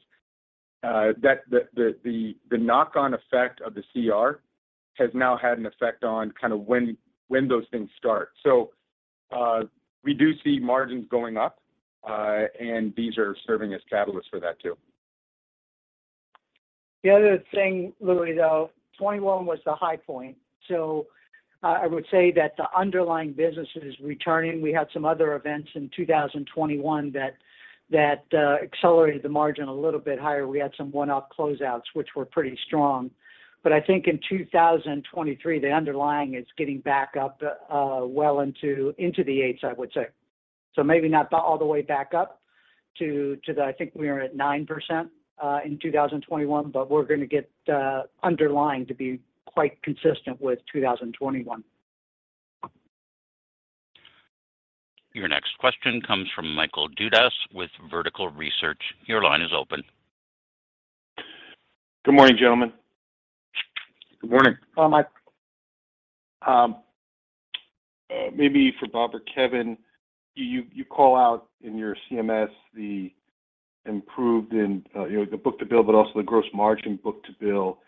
S4: that the knock on effect of the CR has now had an effect on kind of when those things start. We do see margins going up, and these are serving as catalysts for that too.
S5: The other thing, Louie, though, 2021 was the high point. I would say that the underlying business is returning. We had some other events in 2021 that accelerated the margin a little bit higher. We had some one-off closeouts, which were pretty strong. I think in 2023, the underlying is getting back up well into the 8%, I would say. Maybe not all the way back up to the, I think we are at 9% in 2021, but we're gonna get the underlying to be quite consistent with 2021.
S1: Your next question comes from Michael Dudas with Vertical Research. Your line is open.
S8: Good morning, gentlemen.
S3: Good morning.
S5: Hi, Mike.
S8: Maybe for Bob or Kevin, you call out in your CMS the improved in, you know, the book-to-bill, but also the gross margin book-to-bill.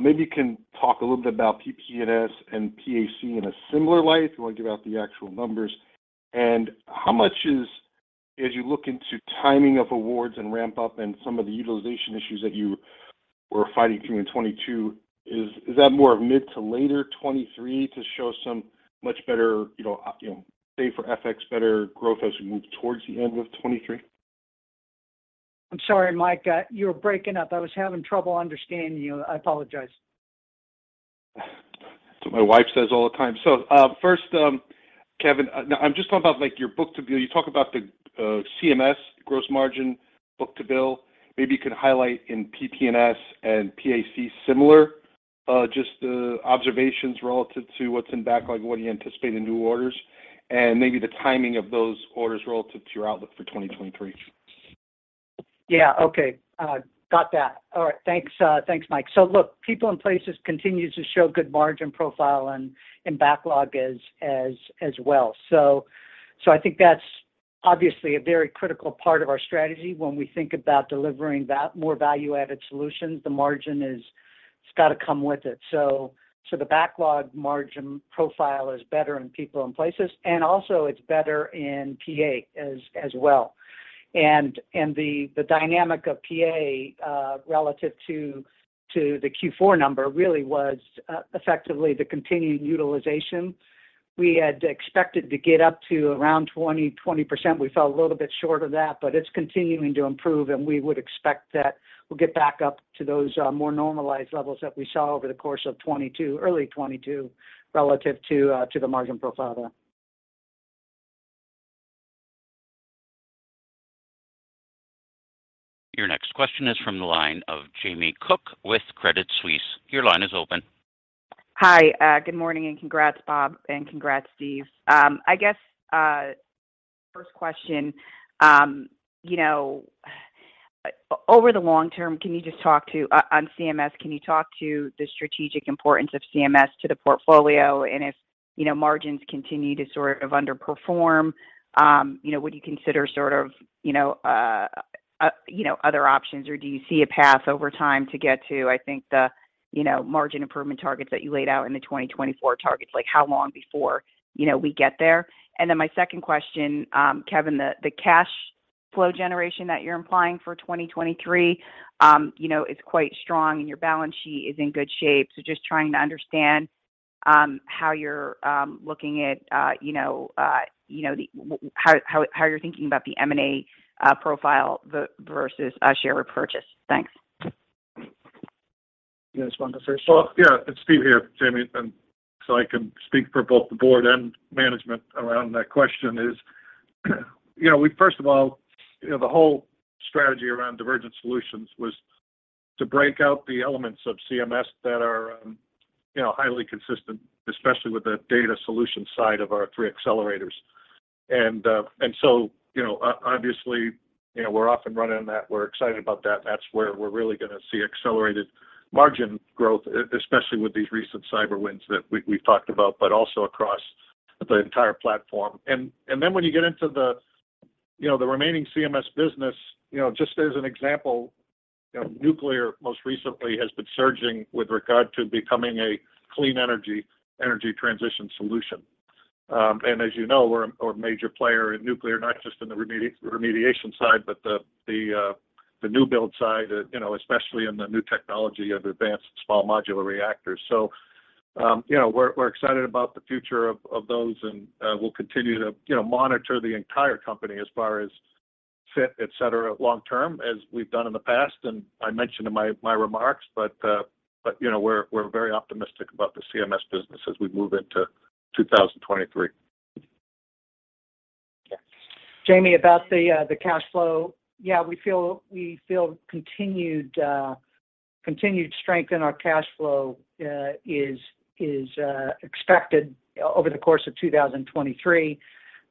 S8: Maybe you can talk a little bit about PP&S and PAC in a similar light if you wanna give out the actual numbers? How much is, as you look into timing of awards and ramp up and some of the utilization issues that you were fighting through in 2022, is that more of mid to later 2023 to show some much better, you know, say for FX, better growth as we move towards the end of 2023?
S5: I'm sorry, Mike, you were breaking up. I was having trouble understanding you. I apologize.
S8: That's what my wife says all the time. First, Kevin, now I'm just talking about like your book-to-bill. You talk about the CMS gross margin book-to-bill. Maybe you could highlight in PP&S and PAC similar, just observations relative to what's in backlog, what do you anticipate in new orders, and maybe the timing of those orders relative to your outlook for 2023.
S5: Yeah. Okay. Got that. All right. Thanks, thanks, Mike. Look, People and Places continue to show good margin profile and backlog as well. I think that's obviously a very critical part of our strategy when we think about delivering more value-added solutions. The margin is, it's gotta come with it. The backlog margin profile is better in People and Places, and also it's better in PA as well. The dynamic of PA relative to the Q4 number really was effectively the continued utilization. We had expected to get up to around 20%. We fell a little bit short of that, but it's continuing to improve, and we would expect that we'll get back up to those more normalized levels that we saw over the course of 2022, early 2022 relative to the margin profile there.
S1: Your next question is from the line of Jamie Cook with Credit Suisse. Your line is open.
S9: Hi. Good morning, congrats, Bob, and congrats, Steve. I guess, first question, you know, over the long term, can you just talk to, on CMS, can you talk to the strategic importance of CMS to the portfolio? If, you know, margins continue to sort of underperform, you know, would you consider sort of, you know, other options, or do you see a path over time to get to, I think, the, you know, margin improvement targets that you laid out in the 2024 targets? Like, how long before, you know, we get there? My second question, Kevin, the cash flow generation that you're implying for 2023, you know, is quite strong, and your balance sheet is in good shape. Just trying to understand, how you're looking at, you know, you know, how you're thinking about the M&A profile versus a share repurchase? Thanks.
S5: You guys want to first go?
S3: Well, yeah. It's Steve here, Jamie. I can speak for both the board and management around that question is, you know, we first of all, you know, the whole strategy around Divergent Solutions was to break out the elements of CMS that are, you know, highly consistent, especially with the data solution side of our three accelerators. you know, obviously, you know, we're off and running on that. We're excited about that, and that's where we're really gonna see accelerated margin growth, especially with these recent cyber wins that we've talked about, but also across the entire platform. Then when you get into the, you know, the remaining CMS business, you know, just as an example, you know, nuclear most recently has been surging with regard to becoming a clean energy transition solution. As you know, we're a major player in nuclear, not just in the remediation side, but the new build side, especially in the new technology of advanced Small Modular Reactors. you know, we're excited about the future of those and we'll continue to, you know, monitor the entire company as far as fit, et cetera, long term as we've done in the past. I mentioned in my remarks, you know, we're very optimistic about the CMS business as we move into 2023.
S5: Jamie, about the cash flow. Yeah, we feel continued strength in our cash flow is expected over the course of 2023.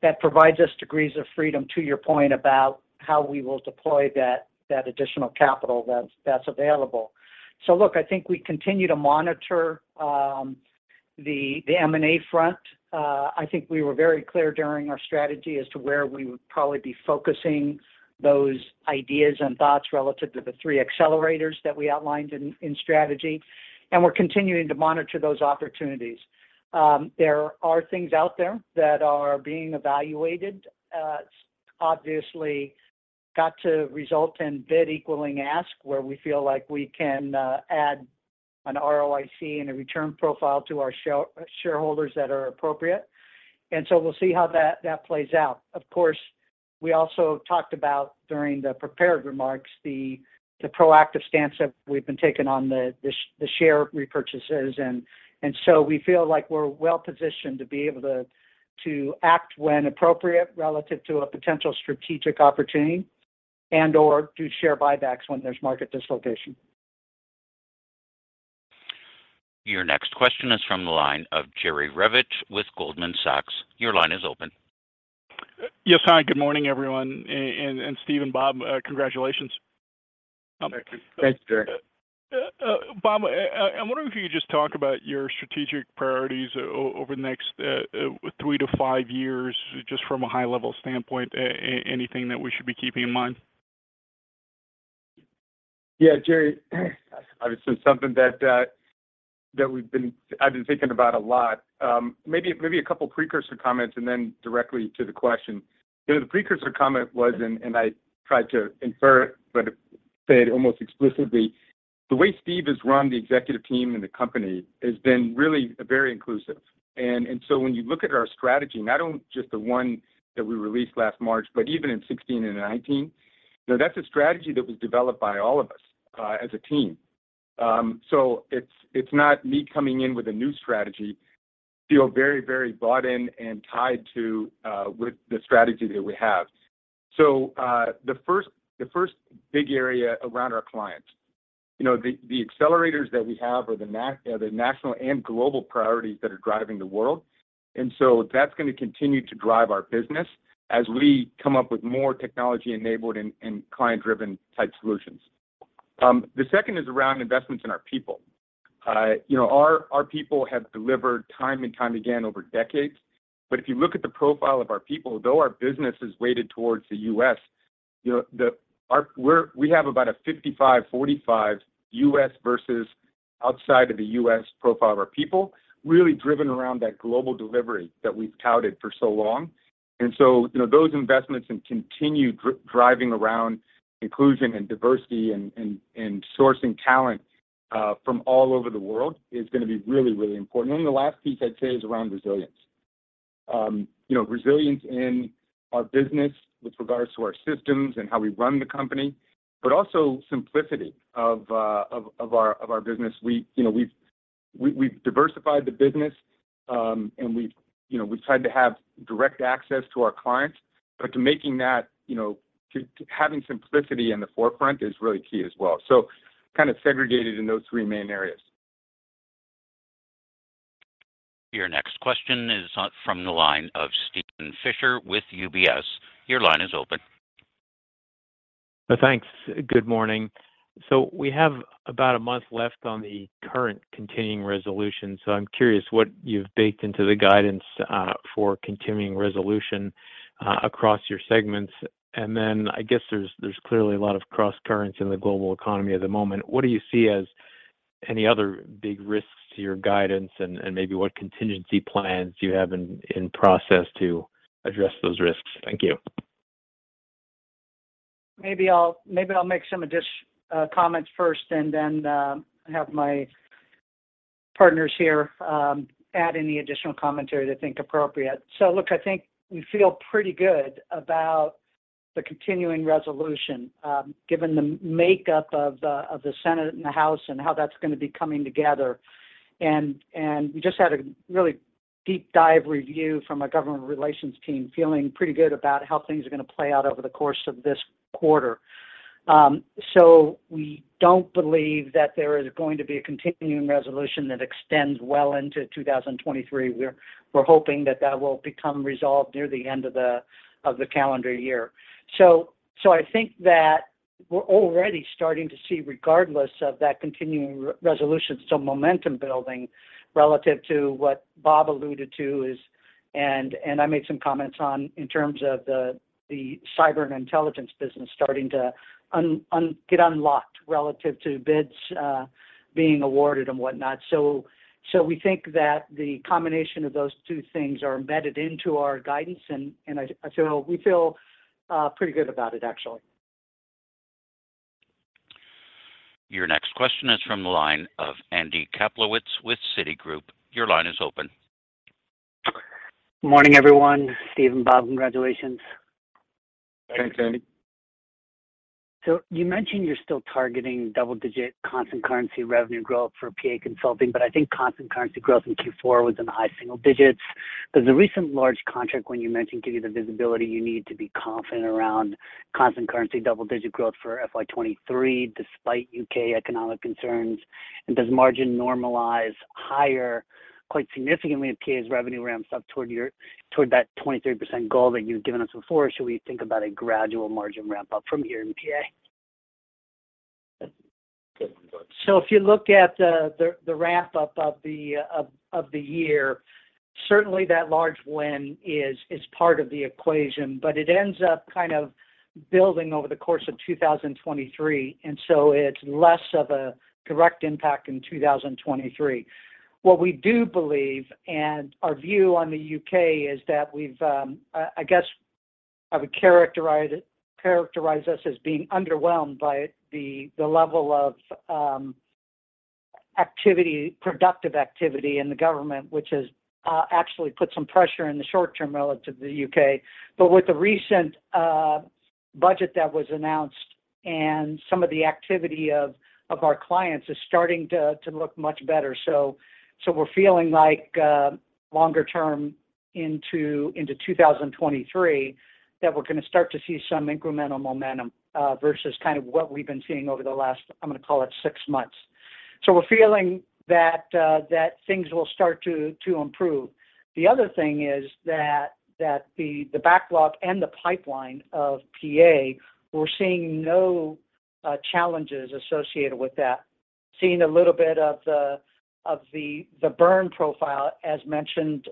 S5: That provides us degrees of freedom, to your point, about how we will deploy that additional capital that's available. Look, I think we continue to monitor the M&A front. I think we were very clear during our strategy as to where we would probably be focusing those ideas and thoughts relative to the three accelerators that we outlined in strategy. We're continuing to monitor those opportunities. There are things out there that are being evaluated. Obviously got to result in bid equaling ask, where we feel like we can add an ROIC and a return profile to our shareholders that are appropriate. We'll see how that plays out. Of course, we also talked about, during the prepared remarks, the proactive stance that we've been taking on the share repurchases. We feel like we're well positioned to be able to act when appropriate relative to a potential strategic opportunity and/or do share buybacks when there's market dislocation.
S1: Your next question is from the line of Jerry Revich with Goldman Sachs. Your line is open.
S10: Yes. Hi, good morning, everyone. And Steve and Bob, congratulations.
S5: Thanks, Jerry.
S4: Thanks, Jerry.
S10: Bob, I wonder if you could just talk about your strategic priorities over the next, 3 to 5 years, just from a high-level standpoint. Anything that we should be keeping in mind?
S4: Yeah, Jerry. Obviously something that I've been thinking about a lot. Maybe a couple precursor comments and then directly to the question. You know, the precursor comment was, and I tried to infer it, but say it almost explicitly, the way Steve has run the executive team and the company has been really very inclusive. When you look at our strategy, not only just the one that we released last March, but even in 16 and 19, you know, that's a strategy that was developed by all of us as a team. It's not me coming in with a new strategy. Feel very bought in and tied to with the strategy that we have. The first big area around our clients. You know, the accelerators that we have or the national and global priorities that are driving the world. That's going to continue to drive our business as we come up with more technology-enabled and client-driven type solutions. The second is around investments in our people. You know, our people have delivered time and time again over decades. If you look at the profile of our people, though our business is weighted towards the U.S., you know, we have about a 55, 45 U.S. versus outside of the U.S. profile of our people, really driven around that global delivery that we've touted for so long. You know, those investments and continued driving around inclusion and diversity and sourcing talent from all over the world is going to be really, really important. The last piece I'd say is around resilience. you know, resilience in our business with regards to our systems and how we run the company, but also simplicity of our business. We, you know, we've diversified the business, and we've, you know, we've tried to have direct access to our clients. to making that, you know, to having simplicity in the forefront is really key as well. kind of segregated in those three main areas.
S1: Your next question is on from the line of Steven Fisher with UBS. Your line is open.
S11: Thanks. Good morning. We have about a month left on the current Continuing Resolution. I'm curious what you've baked into the guidance for Continuing Resolution across your segments. I guess there's clearly a lot of crosscurrents in the global economy at the moment. What do you see as any other big risks to your guidance? Maybe what contingency plans do you have in process to address those risks? Thank you.
S5: Maybe I'll, maybe I'll make some comments first and then have my partners here add any additional commentary they think appropriate. Look, I think we feel pretty good about the continuing resolution given the makeup of the Senate and the House and how that's going to be coming together. We just had a really deep dive review from our government relations team, feeling pretty good about how things are going to play out over the course of this quarter. So we don't believe that there is going to be a continuing resolution that extends well into 2023. We're hoping that that will become resolved near the end of the calendar year. I think that we're already starting to see regardless of that continuing re-resolution, some momentum building relative to what Bob alluded to is, and I made some comments on in terms of the cyber and intelligence business starting to get unlocked relative to bids being awarded and whatnot. We think that the combination of those two things are embedded into our guidance. We feel pretty good about it, actually.
S1: Your next question is from the line of Andy Kaplowitz with Citigroup. Your line is open.
S12: Morning, everyone. Steve and Bob, congratulations.
S5: Thanks, Andy.
S12: You mentioned you're still targeting double-digit constant currency revenue growth for PA Consulting, but I think constant currency growth in Q4 was in the high single digits. Does the recent large contract win you mentioned give you the visibility you need to be confident around constant currency double-digit growth for FY 2023 despite UK economic concerns? Does margin normalize higher quite significantly if PA's revenue ramps up toward that 23% goal that you've given us before? Should we think about a gradual margin ramp up from here in PA?
S5: If you look at the ramp up of the year, certainly that large win is part of the equation. It ends up kind of building over the course of 2023. It's less of a direct impact in 2023. What we do believe, and our view on the UK is that we've, I guess I would characterize us as being underwhelmed by the level of activity, productive activity in the government, which has, actually put some pressure in the short term relative to the UK. With the recent budget that was announced and some of the activity of our clients is starting to look much better. So we're feeling like, longer term into 2023, that we're gonna start to see some incremental momentum, versus kind of what we've been seeing over the last, I'm gonna call it six months. We're feeling that things will start to improve. The other thing is that the backlog and the pipeline of PA, we're seeing no challenges associated with that. Seeing a little bit of the burn profile as mentioned,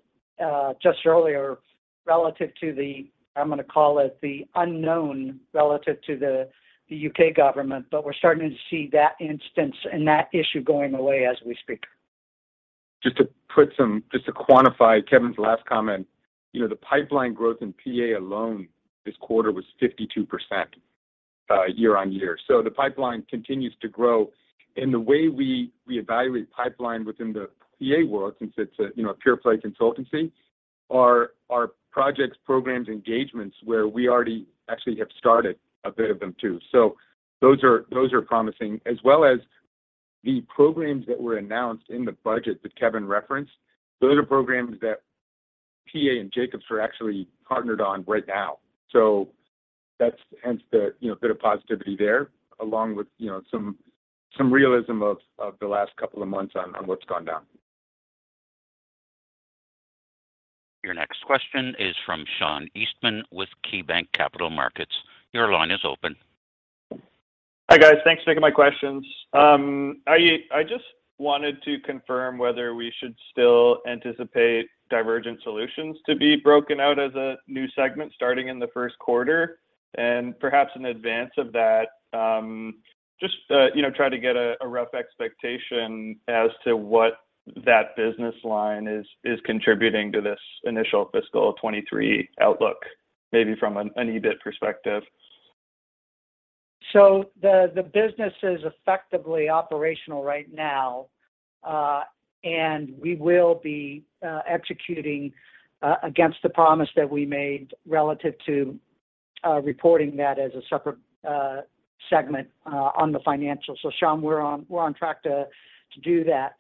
S5: just earlier relative to the, I'm gonna call it the unknown relative to the U.K. government. We're starting to see that instance and that issue going away as we speak.
S4: Just to quantify Kevin's last comment, you know, the pipeline growth in PA alone this quarter was 52% year-on-year. The pipeline continues to grow. The way we evaluate pipeline within the PA world, since it's a, you know, a pure play consultancy, are our projects, programs, engagements where we already actually have started a bit of them too. Those are promising, as well as the programs that were announced in the budget that Kevin referenced. Those are programs that PA and Jacobs are actually partnered on right now. That's hence the, you know, bit of positivity there, along with, you know, some realism of the last couple of months on what's gone down.
S1: Your next question is from Sean Eastman with KeyBanc Capital Markets. Your line is open.
S13: Hi, guys. Thanks for taking my questions. I just wanted to confirm whether we should still anticipate Divergent Solutions to be broken out as a new segment starting in the first quarter. Perhaps in advance of that, just, you know, try to get a rough expectation as to what that business line is contributing to this initial fiscal 2023 outlook, maybe from an EBIT perspective.
S5: The business is effectively operational right now, and we will be executing against the promise that we made relative to reporting that as a separate segment on the financials. Sean, we're on track to do that.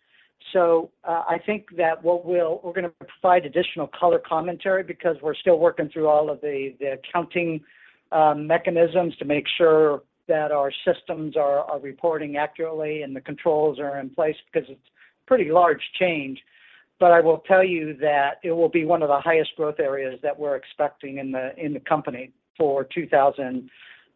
S5: I think that we're gonna provide additional color commentary because we're still working through all of the accounting mechanisms to make sure that our systems are reporting accurately and the controls are in place because it's pretty large change. I will tell you that it will be one of the highest growth areas that we're expecting in the company for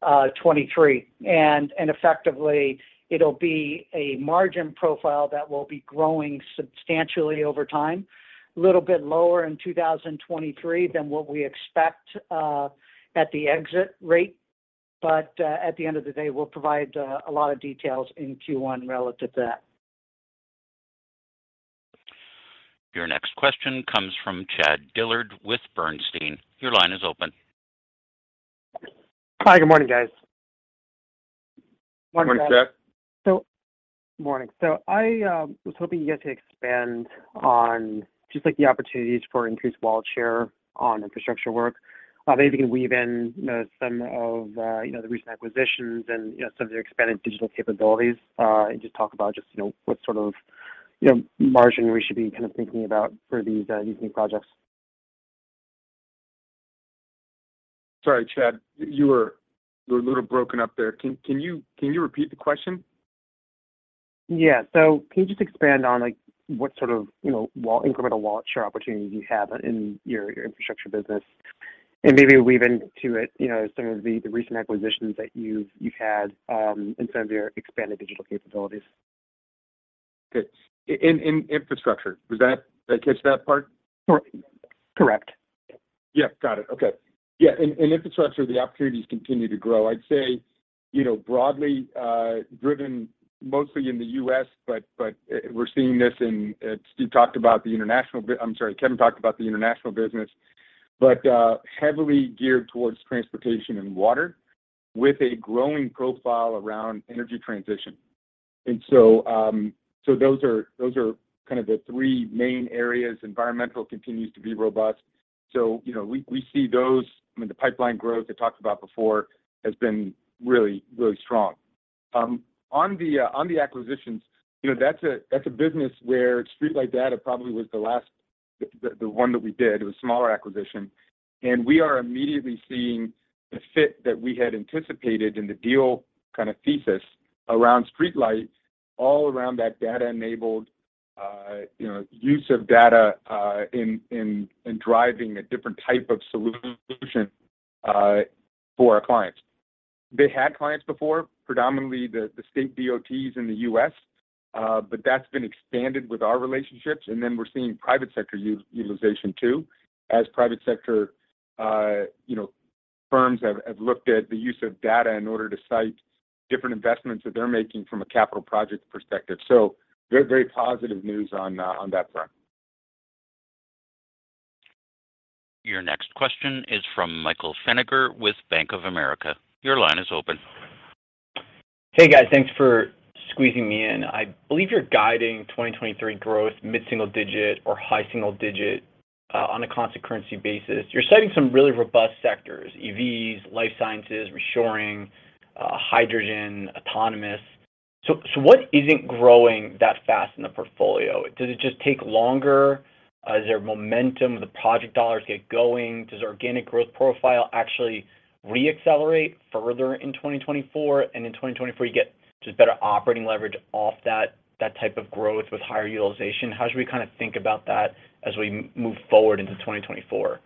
S5: 2023. Effectively it'll be a margin profile that will be growing substantially over time. Little bit lower in 2023 than what we expect at the exit rate. At the end of the day, we'll provide a lot of details in Q1 relative to that.
S1: Your next question comes from Chad Dillard with Bernstein. Your line is open.
S14: Hi, good morning, guys.
S4: Morning, Chad.
S14: Morning. I was hoping you guys could expand on just, like, the opportunities for increased wallet share on infrastructure work. maybe you can weave in some of, you know, the recent acquisitions and, you know, some of the expanded digital capabilities, and just talk about, you know, what sort of, you know, margin we should be kind of thinking about for these unique projects.
S4: Sorry, Chad, you were a little broken up there. Can you repeat the question?
S14: Yeah. Can you just expand on, like, what sort of, you know, incremental wallet share opportunities you have in your infrastructure business? Maybe weave into it, you know, some of the recent acquisitions that you've had, and some of your expanded digital capabilities.
S4: Okay. In infrastructure. Did I catch that part?
S14: Correct.
S4: Yeah, got it. Okay. Yeah. In infrastructure, the opportunities continue to grow. I'd say, you know, broadly driven mostly in the U.S., but we're seeing this in Steve talked about the international. I'm sorry, Kevin talked about the international business. Heavily geared towards transportation and water with a growing profile around energy transition. So those are kind of the three main areas. Environmental continues to be robust. You know, we see those. I mean, the pipeline growth I talked about before has been really, really strong. On the acquisitions, you know, that's a business where StreetLight Data probably was the last one that we did. It was a smaller acquisition. We are immediately seeing the fit that we had anticipated in the deal kind of thesis around StreetLight Data, all around that data-enabled, you know, use of data in driving a different type of solution for our clients. They had clients before, predominantly the state DOTs in the US, but that's been expanded with our relationships. We're seeing private sector utilization too, as private sector, you know, firms have looked at the use of data in order to cite different investments that they're making from a capital project perspective. Very, very positive news on that front.
S1: Your next question is from Michael Feniger with Bank of America. Your line is open.
S15: Hey, guys. Thanks for squeezing me in. I believe you're guiding 2023 growth mid-single digit or high single digit on a constant currency basis. You're citing some really robust sectors: EVs, life sciences, reshoring, hydrogen, autonomous. What isn't growing that fast in the portfolio? Does it just take longer? Is there momentum? Do the project dollars get going? Does organic growth profile actually re-accelerate further in 2024? In 2024, you get just better operating leverage off that type of growth with higher utilization? How should we kind of think about that as we move forward into 2024?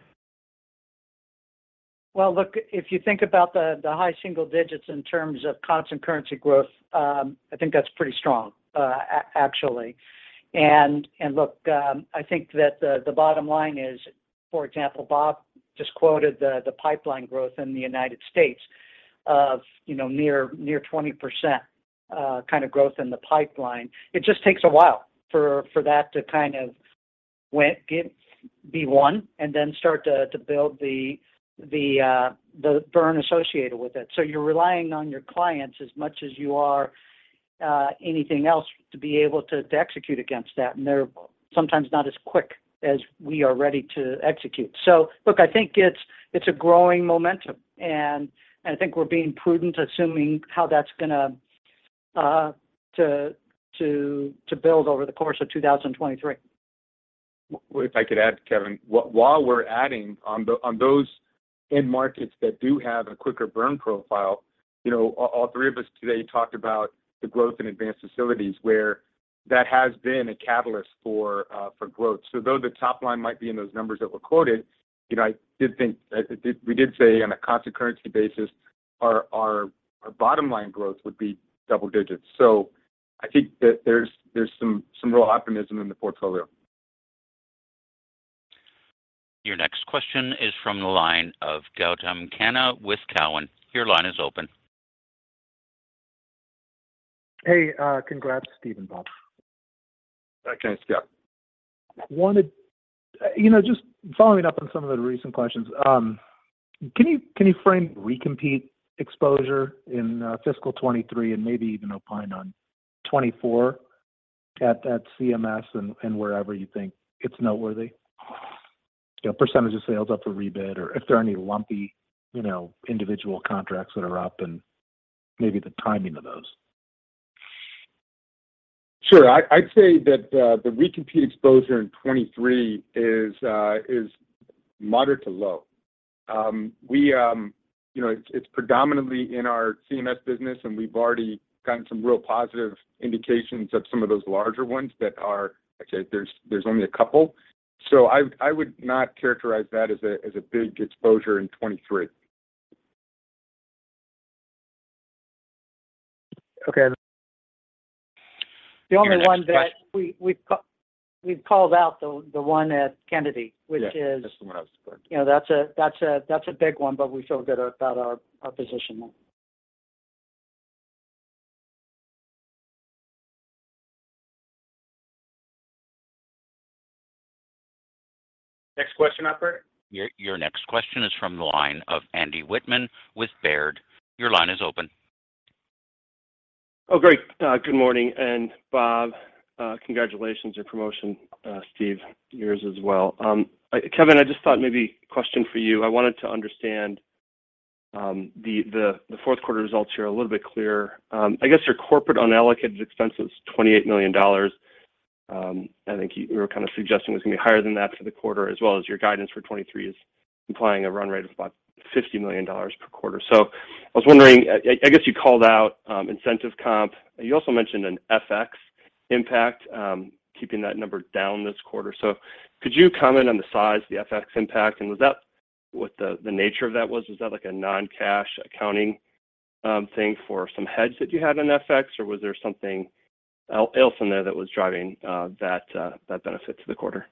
S5: If you think about the high single digits in terms of constant currency growth, I think that's pretty strong, actually. I think that the bottom line is, for example, Bob just quoted the pipeline growth in the United States of near 20% kind of growth in the pipeline. It just takes a while for that to be won, and then start to build the burn associated with it. You're relying on your clients as much as you are anything else to be able to execute against that, and they're sometimes not as quick as we are ready to execute. Look, I think it's a growing momentum, and I think we're being prudent assuming how that's going to build over the course of 2023.
S4: If I could add, Kevin. While we're adding on those end markets that do have a quicker burn profile, you know, all three of us today talked about the growth in advanced facilities, where that has been a catalyst for growth. Though the top line might be in those numbers that were quoted, you know, We did say on a constant currency basis, our bottom line growth would be double digits. I think that there's some real optimism in the portfolio.
S1: Your next question is from the line of Gautam Khanna with Cowen. Your line is open.
S16: Hey, congrats, Steve and Bob.
S4: Thanks, Gautam.
S16: You know, just following up on some of the recent questions. Can you frame re-compete exposure in fiscal 23 and maybe even opine on 24 at CMS and wherever you think it's noteworthy? You know, % of sales up for rebid or if there are any lumpy, you know, individual contracts that are up and maybe the timing of those.
S4: Sure. I'd say that the recompete exposure in 2023 is moderate to low. You know, it's predominantly in our CMS business, and we've already gotten some real positive indications of some of those larger ones. Okay. There's only a couple. I would not characterize that as a big exposure in 2023.
S16: Okay.
S1: Your next question.
S5: The only one that we've called out the one at Kennedy.
S4: Yeah. That's the one I was referring to.
S5: you know, that's a big one, but we feel good about our position there. Next question operator.
S1: Your next question is from the line of Andy Wittmann with Baird. Your line is open.
S17: Great. Good morning. Bob, congratulations on your promotion. Steve, yours as well. Kevin, I just thought maybe a question for you. I wanted to understand the fourth quarter results here a little bit clearer. I guess your corporate unallocated expense was $28 million. I think you were kind of suggesting it was gonna be higher than that for the quarter, as well as your guidance for 23 is implying a run rate of about $50 million per quarter. I was wondering, I guess you called out incentive comp. You also mentioned an FX impact, keeping that number down this quarter. Could you comment on the size of the FX impact, and was that what the nature of that was? Is that like a non-cash accounting, thing for some hedge that you had on FX, or was there something else in there that was driving, that benefit to the quarter?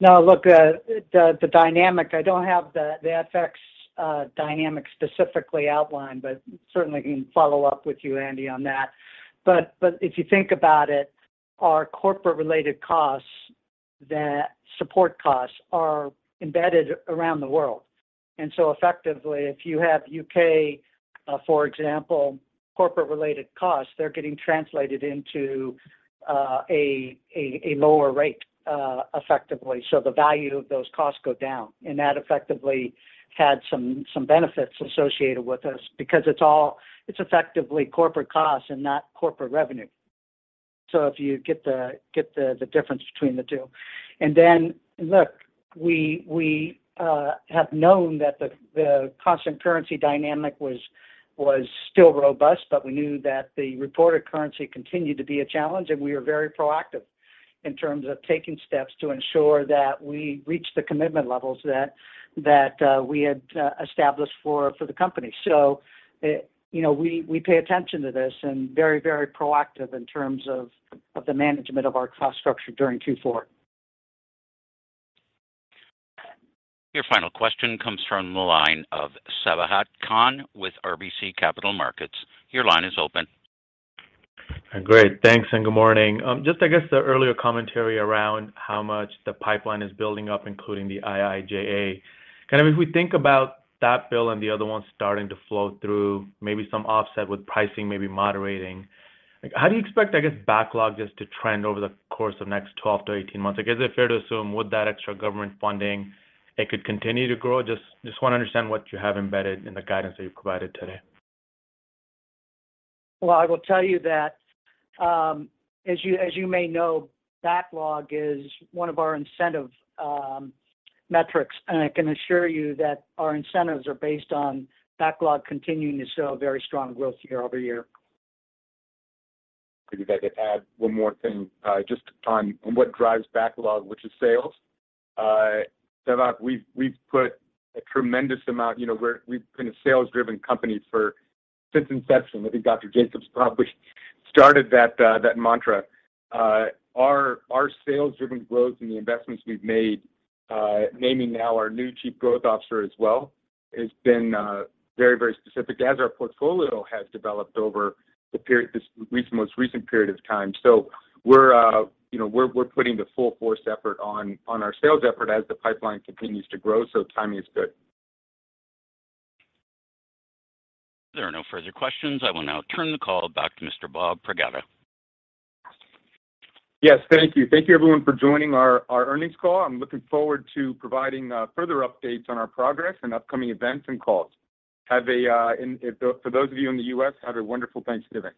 S5: No. Look, the dynamic, I don't have the FX dynamic specifically outlined, but certainly can follow up with you, Andy, on that. If you think about it. Our corporate related costs that support costs are embedded around the world. Effectively, if you have U.K., for example, corporate related costs, they're getting translated into a lower rate effectively. The value of those costs go down. That effectively had some benefits associated with this because it's all. It's effectively corporate costs and not corporate revenue. If you get the difference between the two. Look, we have known that the constant currency dynamic was still robust, but we knew that the reported currency continued to be a challenge, and we were very proactive in terms of taking steps to ensure that we reach the commitment levels that we had established for the company. You know, we pay attention to this and very proactive in terms of the management of our cost structure during Q4.
S1: Your final question comes from the line of Sabahat Khan with RBC Capital Markets. Your line is open.
S18: Great. Thanks, and good morning. Just I guess the earlier commentary around how much the pipeline is building up, including the IIJA, kind of if we think about that bill and the other ones starting to flow through, maybe some offset with pricing, maybe moderating. Like, how do you expect, I guess, backlog just to trend over the course of next 12 to 18 months? I guess, is it fair to assume with that extra government funding, it could continue to grow? Just wanna understand what you have embedded in the guidance that you've provided today.
S5: Well, I will tell you that, as you may know, backlog is one of our incentive metrics. I can assure you that our incentives are based on backlog continuing to show very strong growth year-over-year.
S4: If I could add one more thing, just on what drives backlog, which is sales. Sabahat, you know, we've been a sales-driven company since inception. I think Dr. Jacobs probably started that mantra. Our sales-driven growth and the investments we've made, naming now our new chief growth officer as well, has been very, very specific as our portfolio has developed over this most recent period of time. We're, you know, we're putting the full force effort on our sales effort as the pipeline continues to grow, so timing is good.
S1: If there are no further questions, I will now turn the call back to Mr. Bob Pragada.
S4: Yes, thank you. Thank you everyone for joining our earnings call. I'm looking forward to providing further updates on our progress and upcoming events and calls. For those of you in the U.S., have a wonderful Thanksgiving.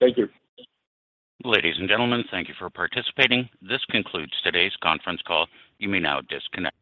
S4: Thank you.
S1: Ladies and gentlemen, thank you for participating. This concludes today's conference call. You may now disconnect.